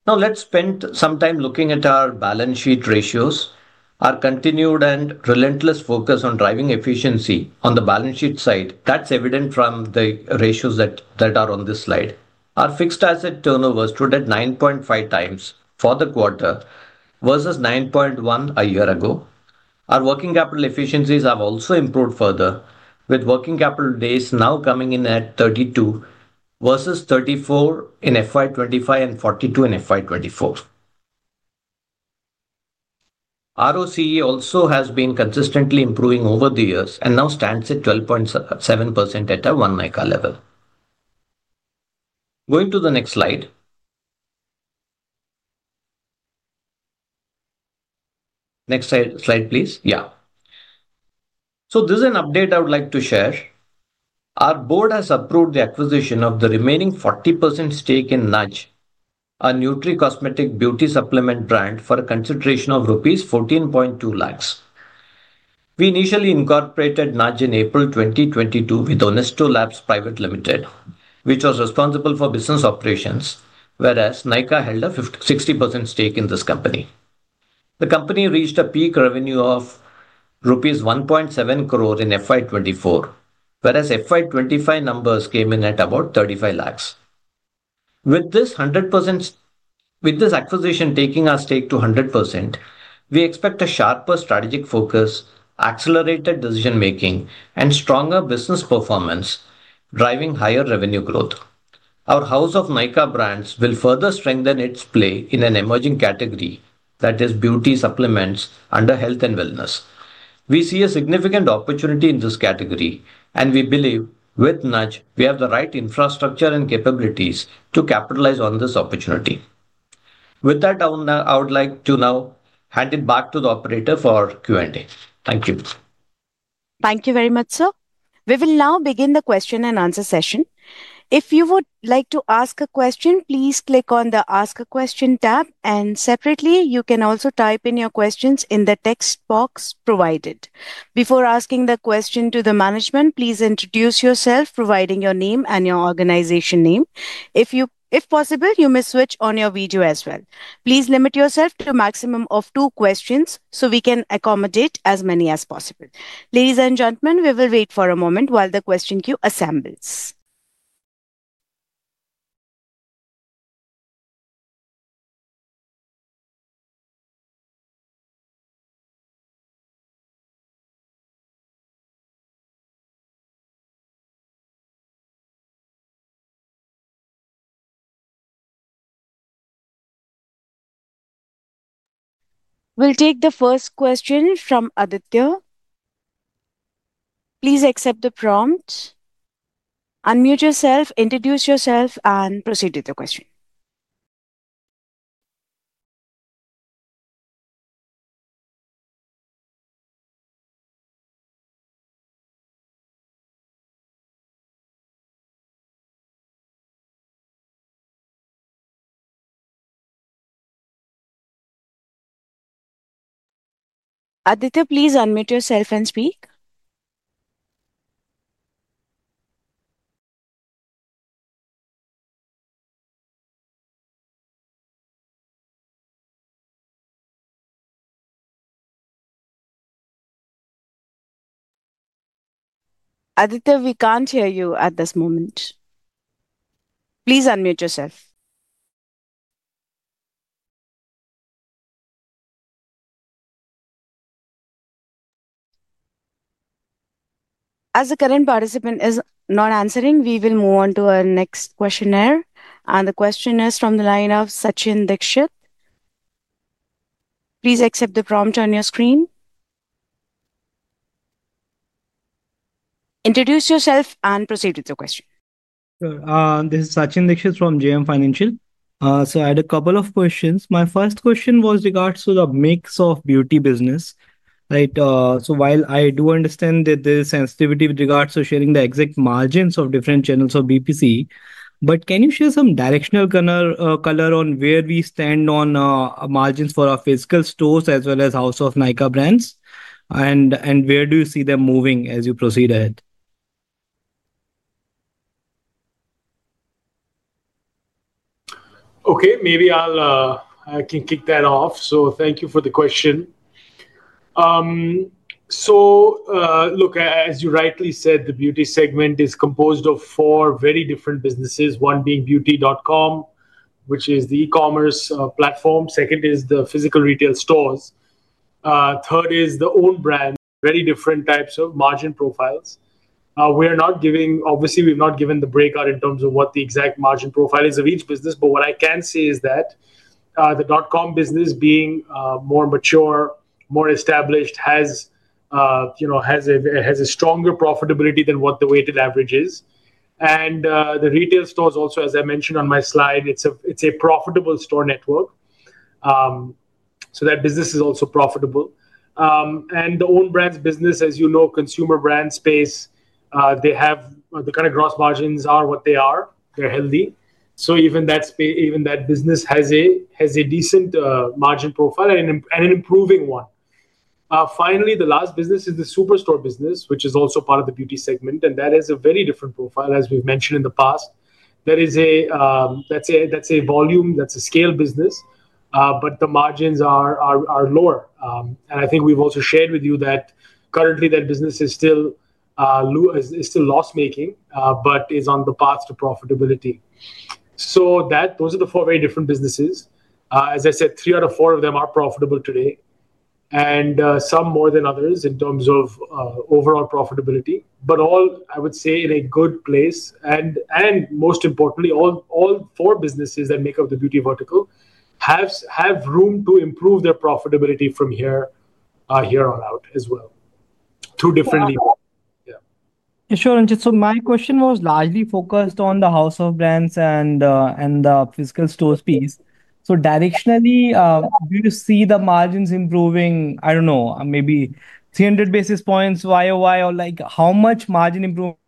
Now let's spend some time looking at our balance sheet ratios. Our continued and relentless focus on driving efficiency on the balance sheet side is evident from the ratios that are on this slide. Our fixed asset turnover stood at 9.5x for the quarter versus 9.1x a year ago. Our working capital efficiencies have also improved further, with working capital days now coming in at 32 versus 34 in FY2025 and 42 in FY2024. ROCE also has been consistently improving over the years and now stands at 12.7% at a Nykaa level. Going to the next slide. Next slide. Slide please. Yeah, this is an update I would like to share. Our board has approved the acquisition of the remaining 40% stake in Nudge, a nutri-cosmetic beauty supplement brand, for a consideration of INR 14.2 lakh. We initially incorporated Nudge in April 2022 with OnestoLabs Private Limited, which was responsible for business operations, whereas Nykaa held a 60% stake in this company. The company reached a peak revenue of rupees 1.7 in FY2024, whereas FY2025 numbers came in at about 35 lakh. With this acquisition taking our stake to 100%, we expect a sharper strategic focus, accelerated decision making, and stronger business performance driving higher revenue growth. Our House of Nykaa Brands will further strengthen its play in an emerging category that is beauty supplements under health and wellness. We see a significant opportunity in this category and we believe with Nudge we have the right infrastructure and capabilities to capitalize on this opportunity. With that, I would like to now hand it back to the operator for Q&A. Thank you. Thank you very much, sir. We will now begin the question and answer session. If you would like to ask a question, please click on the Ask a Question tab. Separately, you can also type in your questions in the text box provided. Before asking the question to the management, please introduce yourself, providing your name and your organization name. If possible, you may switch on your video as well. Please limit yourself to a maximum of two questions so we can accommodate as many as possible. Ladies and gentlemen, we will wait for a moment while the question queue assembles. We will take the first question from Aditya. Please accept the prompt, unmute yourself, introduce yourself, and proceed with the question. Aditya, please unmute yourself and speak. Aditya, we can't hear you at this moment. Please unmute yourself. As the current participant is not answering, we will move on to our next questioner. The question is from the line of Sachin Dixit. Please accept the prompt on your screen, introduce yourself, and proceed with your question. This is Sachin Dixit from JM Financial. I had a couple of questions. My first question was with regards to the mix of beauty business, right? I do understand that there is sensitivity with regards to sharing the exact margins of different channels of BPC, but can you share some directional color on where we stand on margins for our physical stores as well as House of Nykaa Brands, and where do you see them moving as you proceed ahead? Okay, maybe I'll kick that off. Thank you for the question. Look, as you rightly said, the beauty segment is composed of four very different businesses. One being beauty.com, which is the e-commerce platform, second is the physical retail stores, third is the own brand. Very different types of margin profiles. We are not giving, obviously we've not given, the breakout in terms of what the exact margin profile is of each business. What I can say is that the dot com business, being more mature, more established, has a stronger profitability than what the weighted average is. The retail stores also, as I mentioned on my slide, it's a profitable store network, so that business is also profitable. The own brands business, as you know, consumer brand space, they have the kind of gross margins are what they are, they're healthy. Even that space, even that business, has a decent margin profile and an improving one. Finally, the last business is the Superstore business, which is also part of the beauty segment, and that is a very different profile. As we've mentioned in the past, that's a volume, that's a scale business, but the margins are lower. I think we've also shared with you that currently that business is still loss making but is on the path to profitability. Those are the four very different businesses. As I said, three out of four of them are profitable today and some more than others in terms of overall profitability. All I would say, in a good place, and most importantly, all four businesses that make up the beauty vertical have room to improve their profitability from here on out as well. Two different. My question was largely focused on the House of Brands and the physical stores piece. Directionally, do you see the margins improving? I don't know, maybe 300 basis points YoY or like how much margin improvement.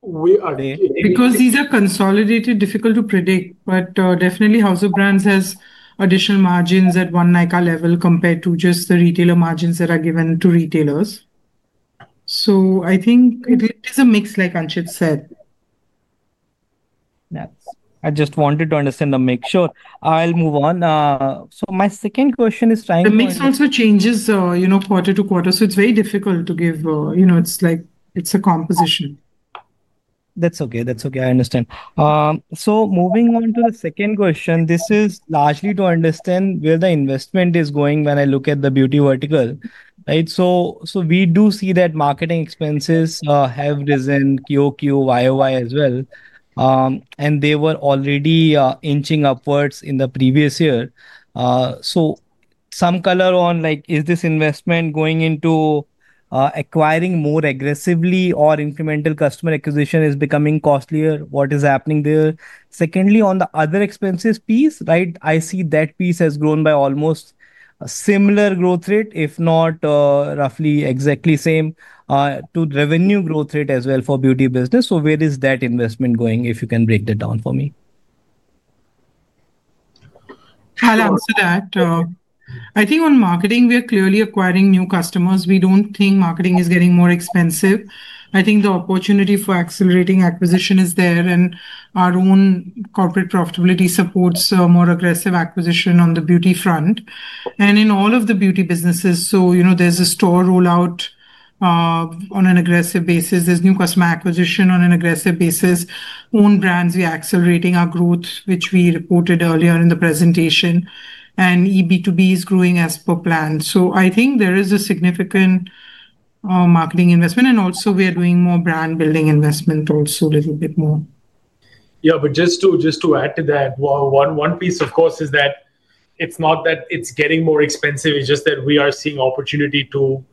We are there, *crosstalk* because these are consolidate, difficult to predict. Definitely, House of Brands has additional margins at one Nykaa level compared to just the retailer margins that are given to retailers. I think it is a mix like Anchit said. I just wanted to understand the mix. Sure, I'll move on. My second question is, *crosstalk* The mix also changes, you know, quarter to quarter. It's very difficult to give. You know, it's like it's a composition. That's okay, that's okay. I understand. Moving on to the second question, this is largely to understand where the investment is going when I look at the beauty vertical. Right. We do see that marketing expenses have risen quarter-on-quarter and year-over-year as well, and they were already inching upwards in the previous year. Some color on, like, is this investment going into acquiring more aggressively, or incremental customer acquisition is becoming costlier? What is happening there? Secondly, on the other expenses piece, I see that piece has grown by almost similar growth rate, if not roughly exactly the same, to revenue growth rate as well for the beauty business. Where is that investment going? If you can break that down for me? I'll answer that. I think on marketing we are clearly acquiring new customers. We don't think marketing is getting more expensive. I think the opportunity for accelerating acquisition is there and our own corporate profitability supports more aggressive acquisition on the beauty front and in all of the beauty businesses. There's a store rollout on an aggressive basis. There's new customer acquisition on an aggressive basis. Owned brands, we're accelerating our growth which we reported earlier in the presentation, and EB2B is growing as per plan. I think there is a significant marketing investment and also we are doing more brand building investment also. A little bit more. Yeah. Just to add to that, one piece, of course, is that it's not that it's getting more expensive, it's just that we are seeing opportunity to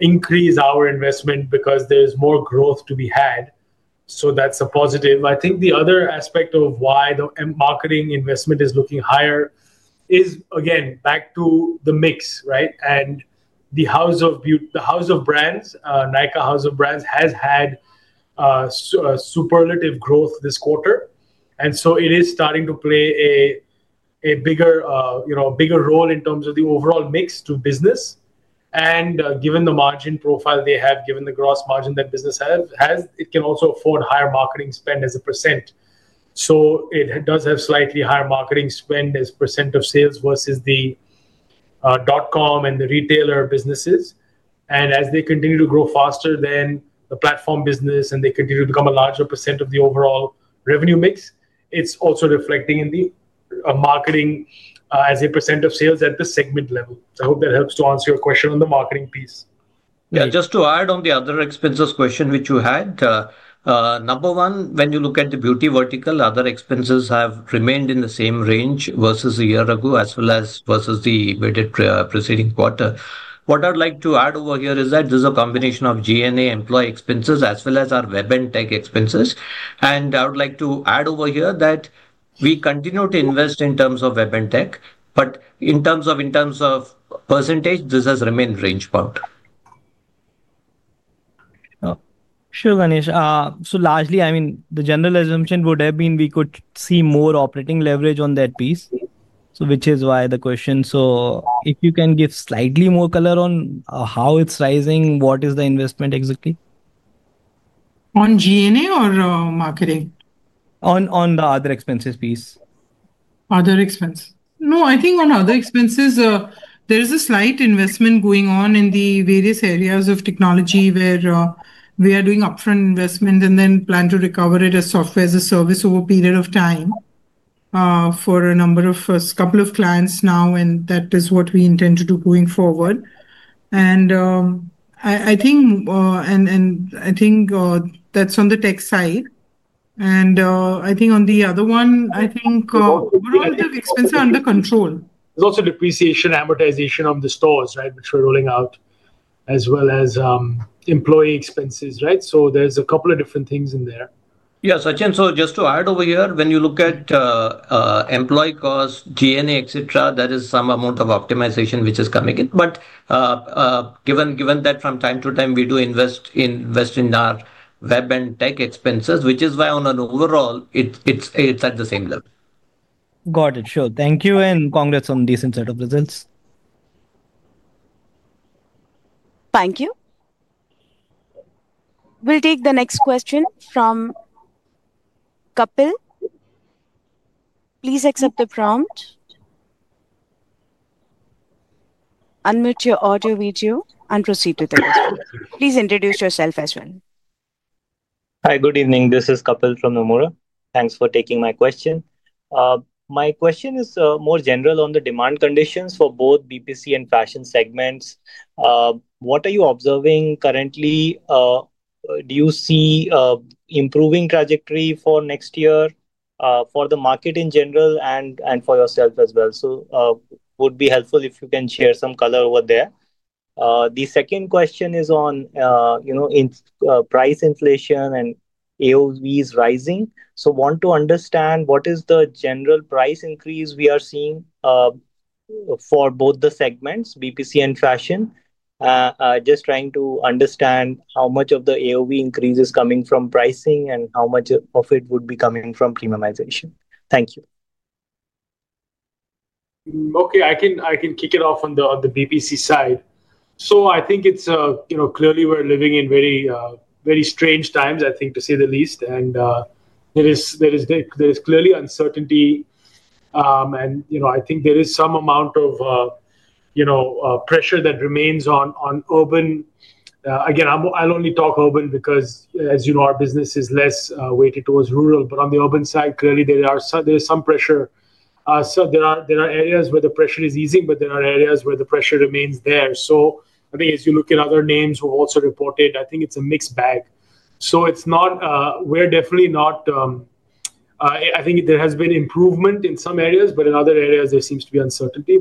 increase our investment because there's more growth to be had. That's a positive. I think the other aspect of why the marketing investment is looking higher is again back to the mix. Right. The House of Brands, Nykaa House of Brands has had superlative growth this quarter, and it is starting to play a bigger role in terms of the overall mix to business. Given the margin profile they have, given the gross margin that business has, it can also afford higher marketing spend as a percentage. It does have slightly higher marketing spend as % of sales versus the dot com and the retailer businesses. As they continue to grow faster than the platform business and they continue to become a larger % of the overall revenue mix, it's also reflecting in the marketing as a % of sales at the segment level. I hope that helps to answer your question on the marketing piece. Yeah. Just to add on the other expenses question which you had, number one, when you look at the beauty vertical, other expenses have remained in the same range versus a year ago as well as versus the preceding quarter. What I'd like to add over here is that this is a combination of G&A, employee expenses, as well as our web and tech expenses. I would like to add over here that we continue to invest in terms of web and tech, but in terms of percentage this has remained range bound. Sure, Ganesh. The general assumption would have been we could see more operating leverage on that piece, which is why the question. If you can give slightly more color on how it's rising, what is the investment exactly? On G&A or marketing? On the other expenses piece. Other expense. No, I think on other expenses there is a slight investment going on in the various areas of technology, where we are doing upfront investment and then plan to recover it as software as a service over a period of time for a number of first couple of clients now. That is what we intend to do going forward. I think that's on the tech side, and on the other one, I think overall the expenses are under control. There's also depreciation, amortization of the stores, which we're rolling out, as well as employee expenses. There's a couple of different things in there. Yeah, Sachin. Just to add over here, when you look at employee cost, G&A, etc., there is some amount of optimization which is coming in. Given that from time to time we do invest in our web and tech expenses, which is why overall it's at the same level. Got it. Sure. Thank you and congrats on a decent set of results. Thank you. We'll take the next question from Kapil. Please accept the prompt, unmute your audio, video, and proceed with the response. Please introduce yourself as well. Hi, good evening. This is Kapil from Nomura. Thanks for taking my question. My question is more general on the demand conditions for both BPC and fashion segments. What are you observing currently? Do you see improving trajectory for next year for the market in general and for yourself as well? It would be helpful if you can share some color over there. The second question is on, you know, price inflation and AOVs rising. I want to understand what is the general price increase we are seeing for both the segments, BPC and fashion. Just trying to understand how much of the AOV increase is coming from pricing and how much of it would be coming from premiumization. Thank you. Okay, I can kick it off on the BPC side. I think it's, you know, clearly we're living in very, very strange times to say the least. There is clearly uncertainty and I think there is some amount of pressure that remains on urban. I'll only talk urban because as you know, our business is less weighted towards rural, but on the urban side clearly there is some pressure. There are areas where the pressure is easing, but there are areas where the pressure remains. I think as you look at other names who also reported, it's a mixed bag. We're definitely not. I think there has been improvement in some areas, but in other areas there seems to be uncertainty.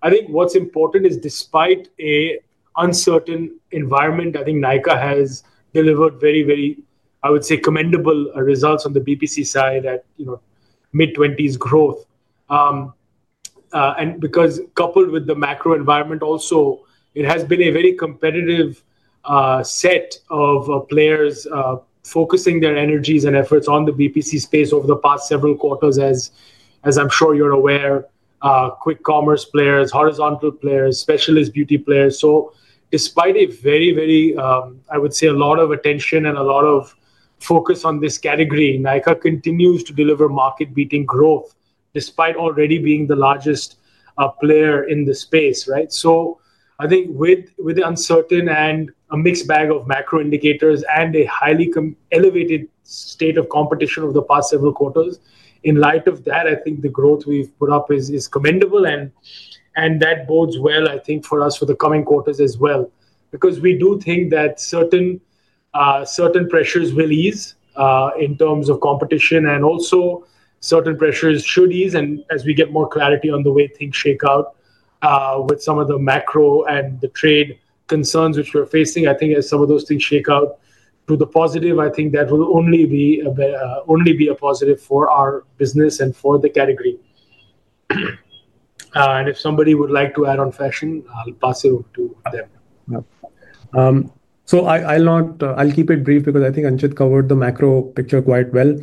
I think what's important is despite an uncertain environment, Nykaa has delivered very, very, I would say, commendable results on the BPC side at mid-20s growth. Coupled with the macro environment, also it has been a very competitive set of players focusing their energies and efforts on the BPC space over the past several quarters. As I'm sure you're aware, quick commerce players, horizontal players, specialist beauty players. Despite a lot of attention and a lot of focus on this category, Nykaa continues to deliver market-beating growth despite already being the largest player in the space. With uncertain and a mixed bag of macro indicators and a highly elevated state of competition over the past several quarters, in light of that, the growth we've put up is commendable and that bodes well for us for the coming quarters as well because we do think that certain pressures will ease in terms of competition and also certain pressures should ease as we get more clarity on the way things shake out with some of the macro and the trade concerns which we're facing. As some of those things shake out to the positive, that will only be a positive for our business and for the category. If somebody would like to add on fashion, I'll pass it over to them. I'll keep it brief because I think Anchit covered the macro picture quite well.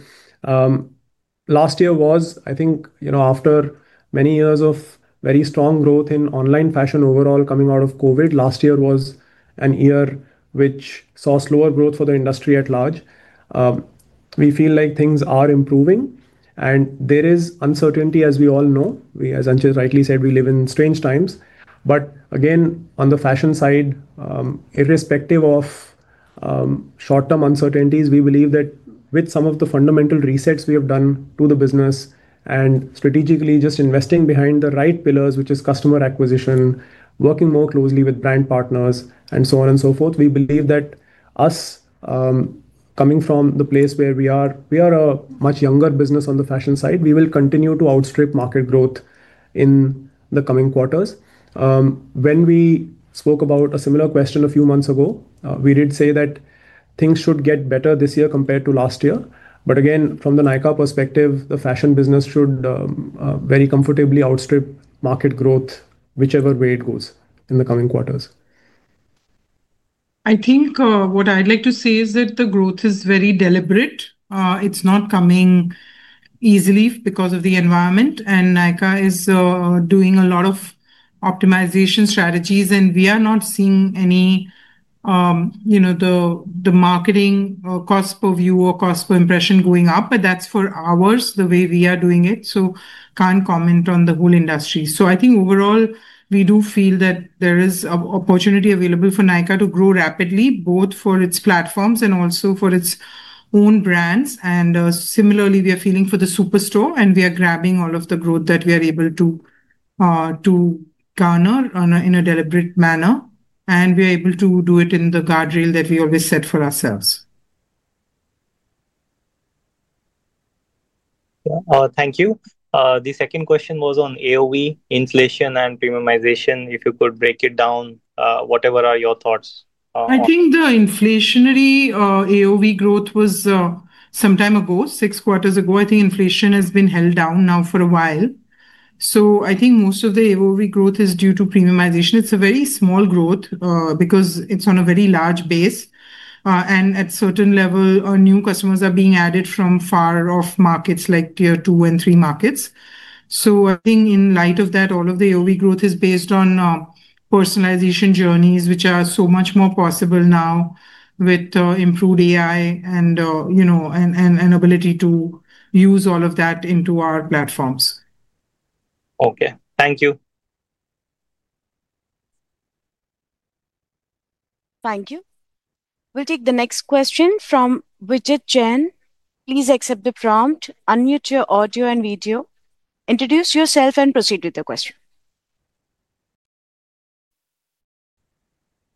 Last year was, I think after many years of very strong growth in online fashion overall, coming out of COVID, last year was a year which saw slower growth for the industry at large. We feel like things are improving and there is uncertainty as we all know. As Anchit rightly said, we live in strange times. Again, on the fashion side, irrespective of short-term uncertainties, we believe that with some of the fundamental resets we have done to the business and strategically just investing behind the right pillars, which is customer acquisition, working more closely with brand partners and so on and so forth, we believe that us coming from the place where we are, we are a much younger business. On the fashion side, we will continue to outstrip market growth in the coming quarters. When we spoke about a similar question a few months ago, we did say that things should get better this year compared to last year. Again, from the Nykaa perspective, the fashion business should very comfortably outstrip market growth whichever way it goes in the coming quarters. I think what I'd like to say is that the growth is very deliberate. It's not coming easily because of the environment and Nykaa is doing a lot of optimization strategies. We are not seeing any marketing cost per view or cost per impression going up, but that's for us the way we are doing it. I can't comment on the whole industry. I think overall we do feel that there is opportunity available for Nykaa to grow rapidly both for its platforms and also for its own brands. Similarly, we are feeling for the Superstore and we are grabbing all of the growth that we are able to garner in a deliberate manner and we are able to do it in the guardrail that we always set for ourselves. Thank you. The second question was on AOV inflation and premiumization. If you could break it down, whatever are your thoughts? I think the inflationary AOV growth was some time ago, six quarters ago. I think inflation has been held down now for a while. I think most of the AOV growth is due to premiumization. It's a very small growth because it's on a very large base, and at a certain level new customers are being added from far off markets, like tier two and three markets. In light of that, all of the AOV growth is based on personalization journeys, which are so much more possible now with improved AI and ability to use all of that into our platforms. Okay, thank you. Thank you. We'll take the next question from Vijit Jain. Please accept the prompt, unmute your audio and video, introduce yourself, and proceed with the question.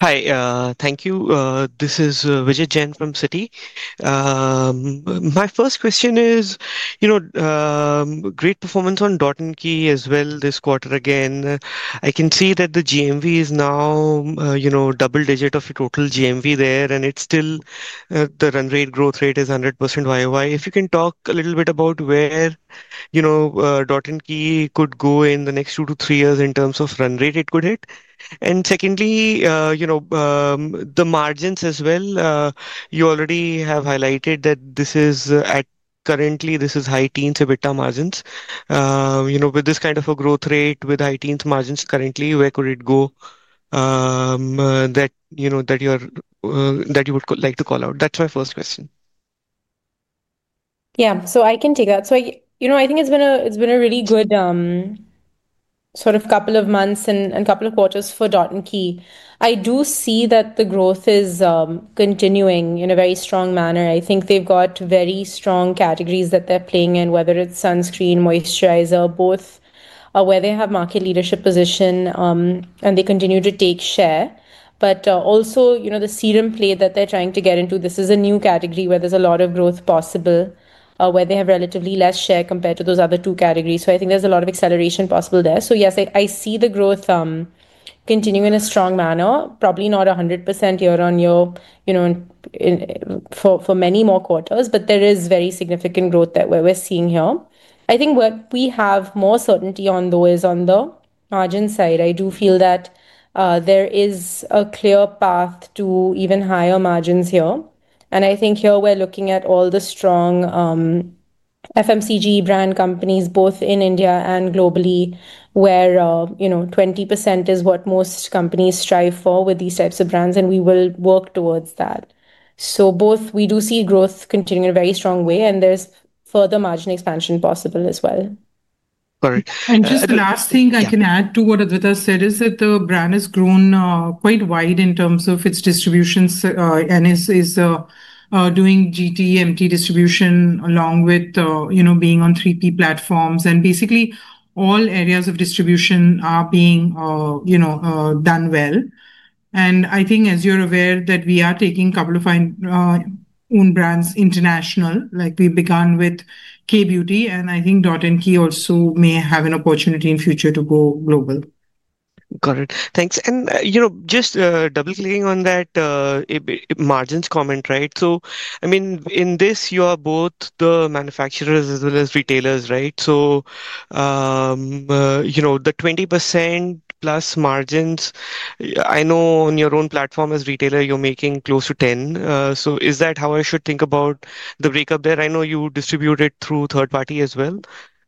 Hi, thank you. This is Vijay Jain from Citi. My first question is, you know, great performance on Dot & Key as well this quarter again, I can see that the GMV is now, you know, double digit of total GMV there and it's still the run rate, growth rate is 100% YoY. If you can talk a little bit about where, you know, Dot & Key could go in the next two to three years in terms of run rate it could hit. Secondly, you know, the margins as well, you already have highlighted that this is at currently, this is high teens EBITDA margins. You know, with this kind of a growth rate with high teens margins currently, where could it go that you know, that you are, that you would like to call out? That's my first question. Yeah, I can take that. I think it's been a really good couple of months and couple of quarters for Dot & Key. I do see that the growth is continuing in a very strong manner. I think they've got very strong categories that they're playing in, whether it's sunscreen, moisturizer, both where they have market leadership position and they continue to take share. Also, the serum play that they're trying to get into, this is a new category where there's a lot of growth possible, where they have relatively less share compared to those other two categories. I think there's a lot of acceleration possible there. Yes, I see the growth continuing in a strong manner. Probably not 100% year-on-year for many more quarters, but there is very significant growth that we're seeing here. I think what we have more certainty on though is on the margin side. I do feel that there is a clear path to even higher margins here. I think here we're looking at all the strong FMCG brand companies both in India and globally where 20% is what most companies strive for with these types of brands and we will work towards that. We do see growth continuing in a very strong way and there's further margin expansion possible as well. All right. The last thing I can add to what Adwaita said is that the brand has grown quite wide in terms of its distributions and is doing GTMT distribution along with being on 3P platforms, and basically all areas of distribution are being done well. I think as you're aware that we are taking a couple of own brands international, like we began with Kay Beauty, and I think Dot & Key also may have an opportunity in future to go global. Got it, thanks. Just double clicking on that margins comment. Right. In this, are both the manufacturers as well as retailers, right? The 20%+ margins, I know on your own platform as retailer you're making close to 10%. Is that how I should think about the breakup there? I know you distribute it through third party as well,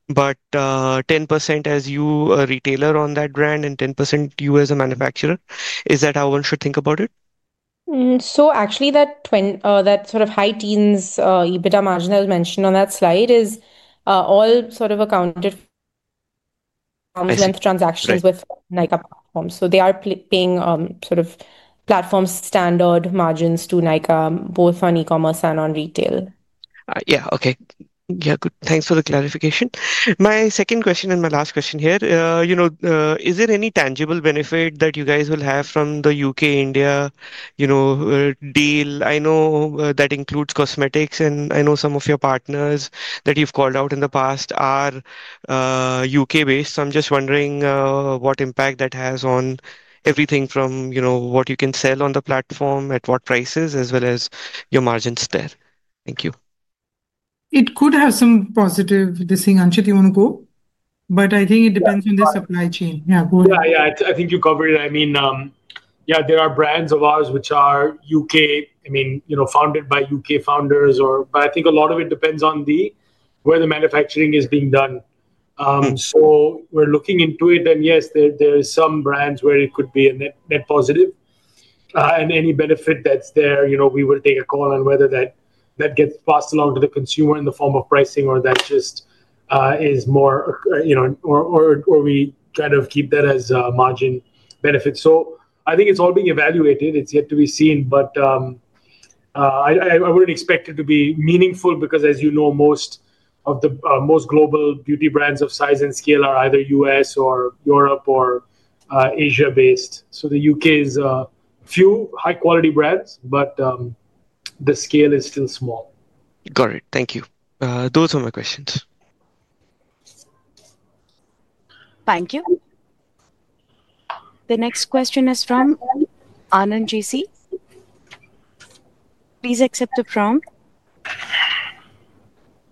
but 10% as you a retailer on that brand and 10% you as a manufacturer, is that how one should think about it? Actually, that sort of high teens EBITDA margin mentioned on that slide is all sort of account-linked transactions with Nykaa platforms. They are paying sort of platform standard margins to Nykaa both on e-commerce and on retail. Yeah, okay. Yeah, good. Thanks for the clarification. My second question and my last question here, you know, is there any tangible benefit that you guys will have from the U.K., India, you know, deal? I know that includes cosmetics and I know some of your partners that you've called out in the past are U.K.-based. I'm just wondering what impact that has on everything from, you know, what you can sell on the platform, at what prices, as well as your margins there. Thank you. It could have some positive this thing, Anchit, you want to go. I think it depends on the supply chain. Yeah, I think you covered it. I mean, there are brands of ours which are U.K., I mean, you know, founded by U.K. founders or I think a lot of it depends on where the manufacturing is being done. We're looking into it. Yes, there's some brands where it could be a net positive and any benefit that's there, you know, we will take a call on whether that gets passed along to the consumer in the form of pricing or that just is more, you know, or we kind of keep that as margin benefit. I think it's all being evaluated, it's yet to be seen. I wouldn't expect it to be meaningful because as you know most of the most global beauty brands of size and scale are either U.S. or Europe or Asia based. The U.K. is few high quality brands but the scale is still small. Got it. Thank you. Those are my questions. Thank you. The next question is from Anand GC. Please accept the prompt,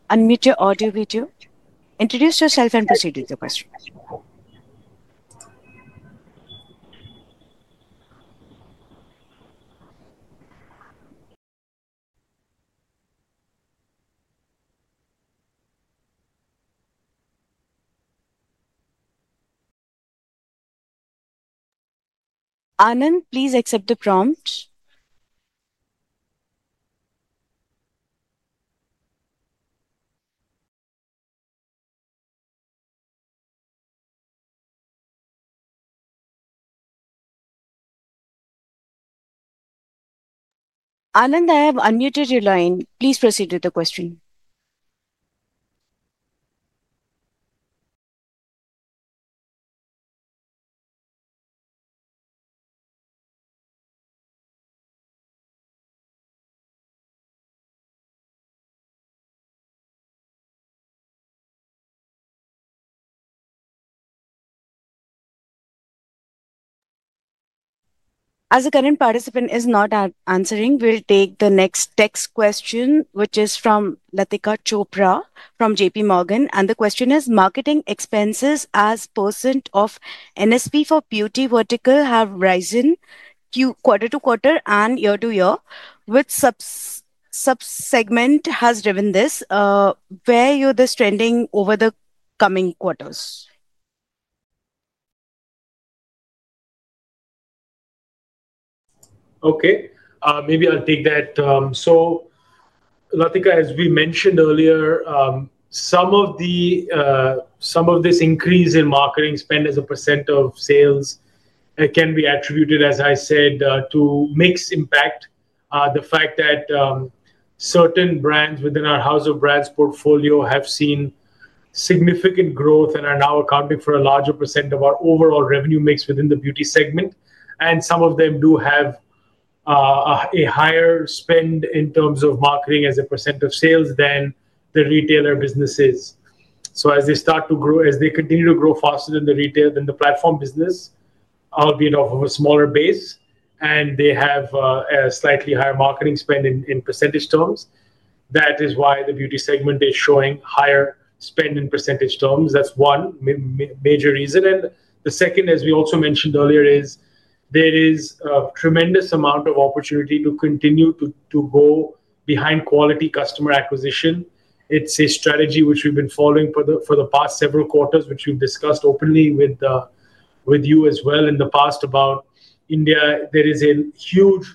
unmute your audio video, introduce yourself and proceed with the question. Anand, please accept the prompt. Anand, I have unmuted your line. Please proceed with the question as the current participant is not answering. We'll take the next text question, which is from Latika Chopra from JPMorgan. The question is marketing expenses as % of NSP for beauty vertical have risen quarter to quarter and year to year. Which subsegment has driven this, where you're this trending over the coming quarters? Okay, maybe I'll take that. Latika, as we mentioned earlier, some of this increase in marketing spend as a % of sales can be attributed, as I said, to mix impact. The fact that certain brands within our House of Brands portfolio have seen significant growth and are now accounting for a larger percent of our overall revenue mix within the beauty segment, and some of them do have a higher spend in terms of marketing as a percent of sales than the retailer businesses. As they start to grow, as they continue to grow faster than the retail, than the platform business, albeit off a smaller base, they have a slightly higher marketing spend in percentage terms. That is why the beauty segment is showing higher spend in percentage terms. That's one major reason. The second, as we also mentioned earlier, is there is a tremendous amount of opportunity to continue to go behind quality customer acquisition. It's a strategy which we've been following for the past several quarters, which we've discussed openly with you as well in the past about India. There is a huge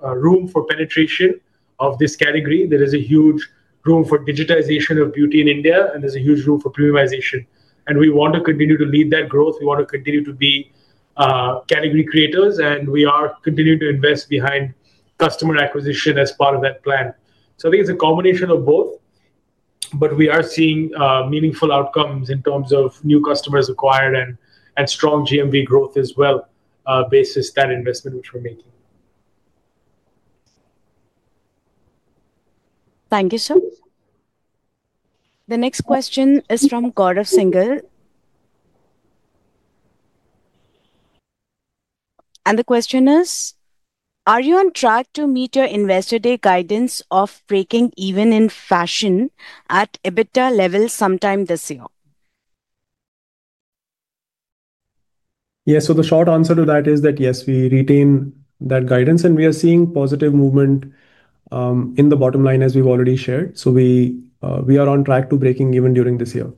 room for penetration of this category. There is a huge room for digitization of beauty in India, and there's a huge room for premiumization, and we want to continue to lead that growth. We want to continue to be category creators, and we are continuing to invest behind customer acquisition as part of that plan. I think it's a combination of both. We are seeing meaningful outcomes in terms of new customers acquired and strong GMV growth as well, basis that investment which we're making. Thank you, sir. The next question is from Gaurav Singhal, and the question is, are you on track to meet your investor day guidance of breaking even in fashion at EBITDA level sometime this year? Yeah. The short answer to that is that yes, we retain that guidance, and we are seeing positive movement in the bottom line as we've already shared. We are on track to breaking even during this year.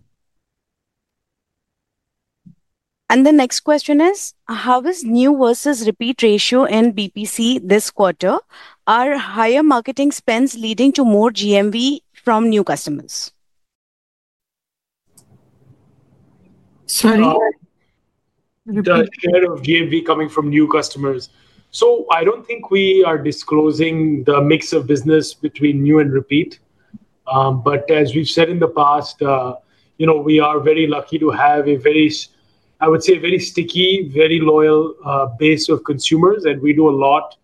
How is new versus repeat ratio in BPC this quarter? Are higher marketing spends leading to more GMV from new customers? Sorry. Coming from new customers. I don't think we are disclosing the mix of business between new and repeat. As we've said in the past, we are very lucky to have a very, I would say, very sticky, very loyal base of consumers, and we do a lot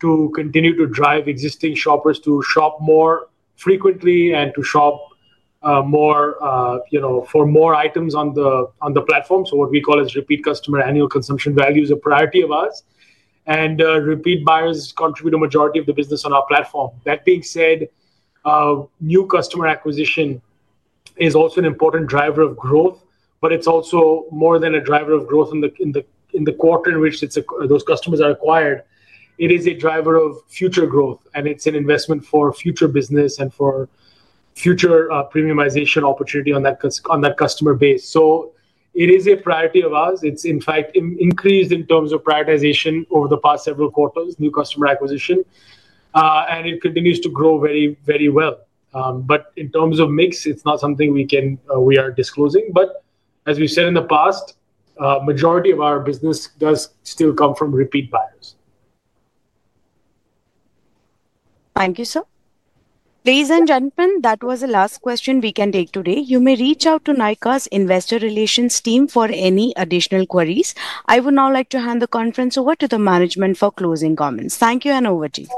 to continue to drive existing shoppers to shop more frequently and to shop more for more items on the platform. What we call repeat customer annual consumption value is a priority of ours, and repeat buyers contribute a majority of the business on our platform. That being said, new customer acquisition is also an important driver of growth. It's also more than a driver of growth in the quarter in which those customers are acquired. It is a driver of future growth, and it's an investment for future business and for future premiumization opportunity on that customer base. It is a priority of ours. It's in fact increased in terms of prioritization over the past several quarters, new customer acquisition, and it continues to grow very, very well. In terms of mix, it's not something we are disclosing. As we said in the past, majority of our business does still come from repeat buyers. Thank you, sir. Ladies and gentlemen, that was the last question we can take today. You may reach out to Nykaa's investor relations team for any additional queries. I would now like to hand the conference over to the management for closing comments. Thank you. Over to you.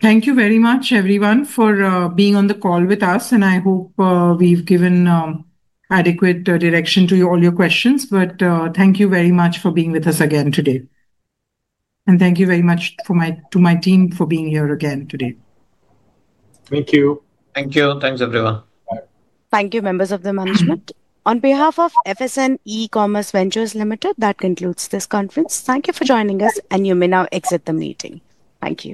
Thank you very much everyone for being on the call with us. I hope we've given adequate direction to all your questions. Thank you very much for being with us again today, and thank you very much to my team for being here again today. Thank you. Thank you. Thanks, everyone. Thank you, members of the management. On behalf of FSN E-Commerce Ventures Ltd, that concludes this conference. Thank you for joining us, and you may now exit the meeting. Thank you.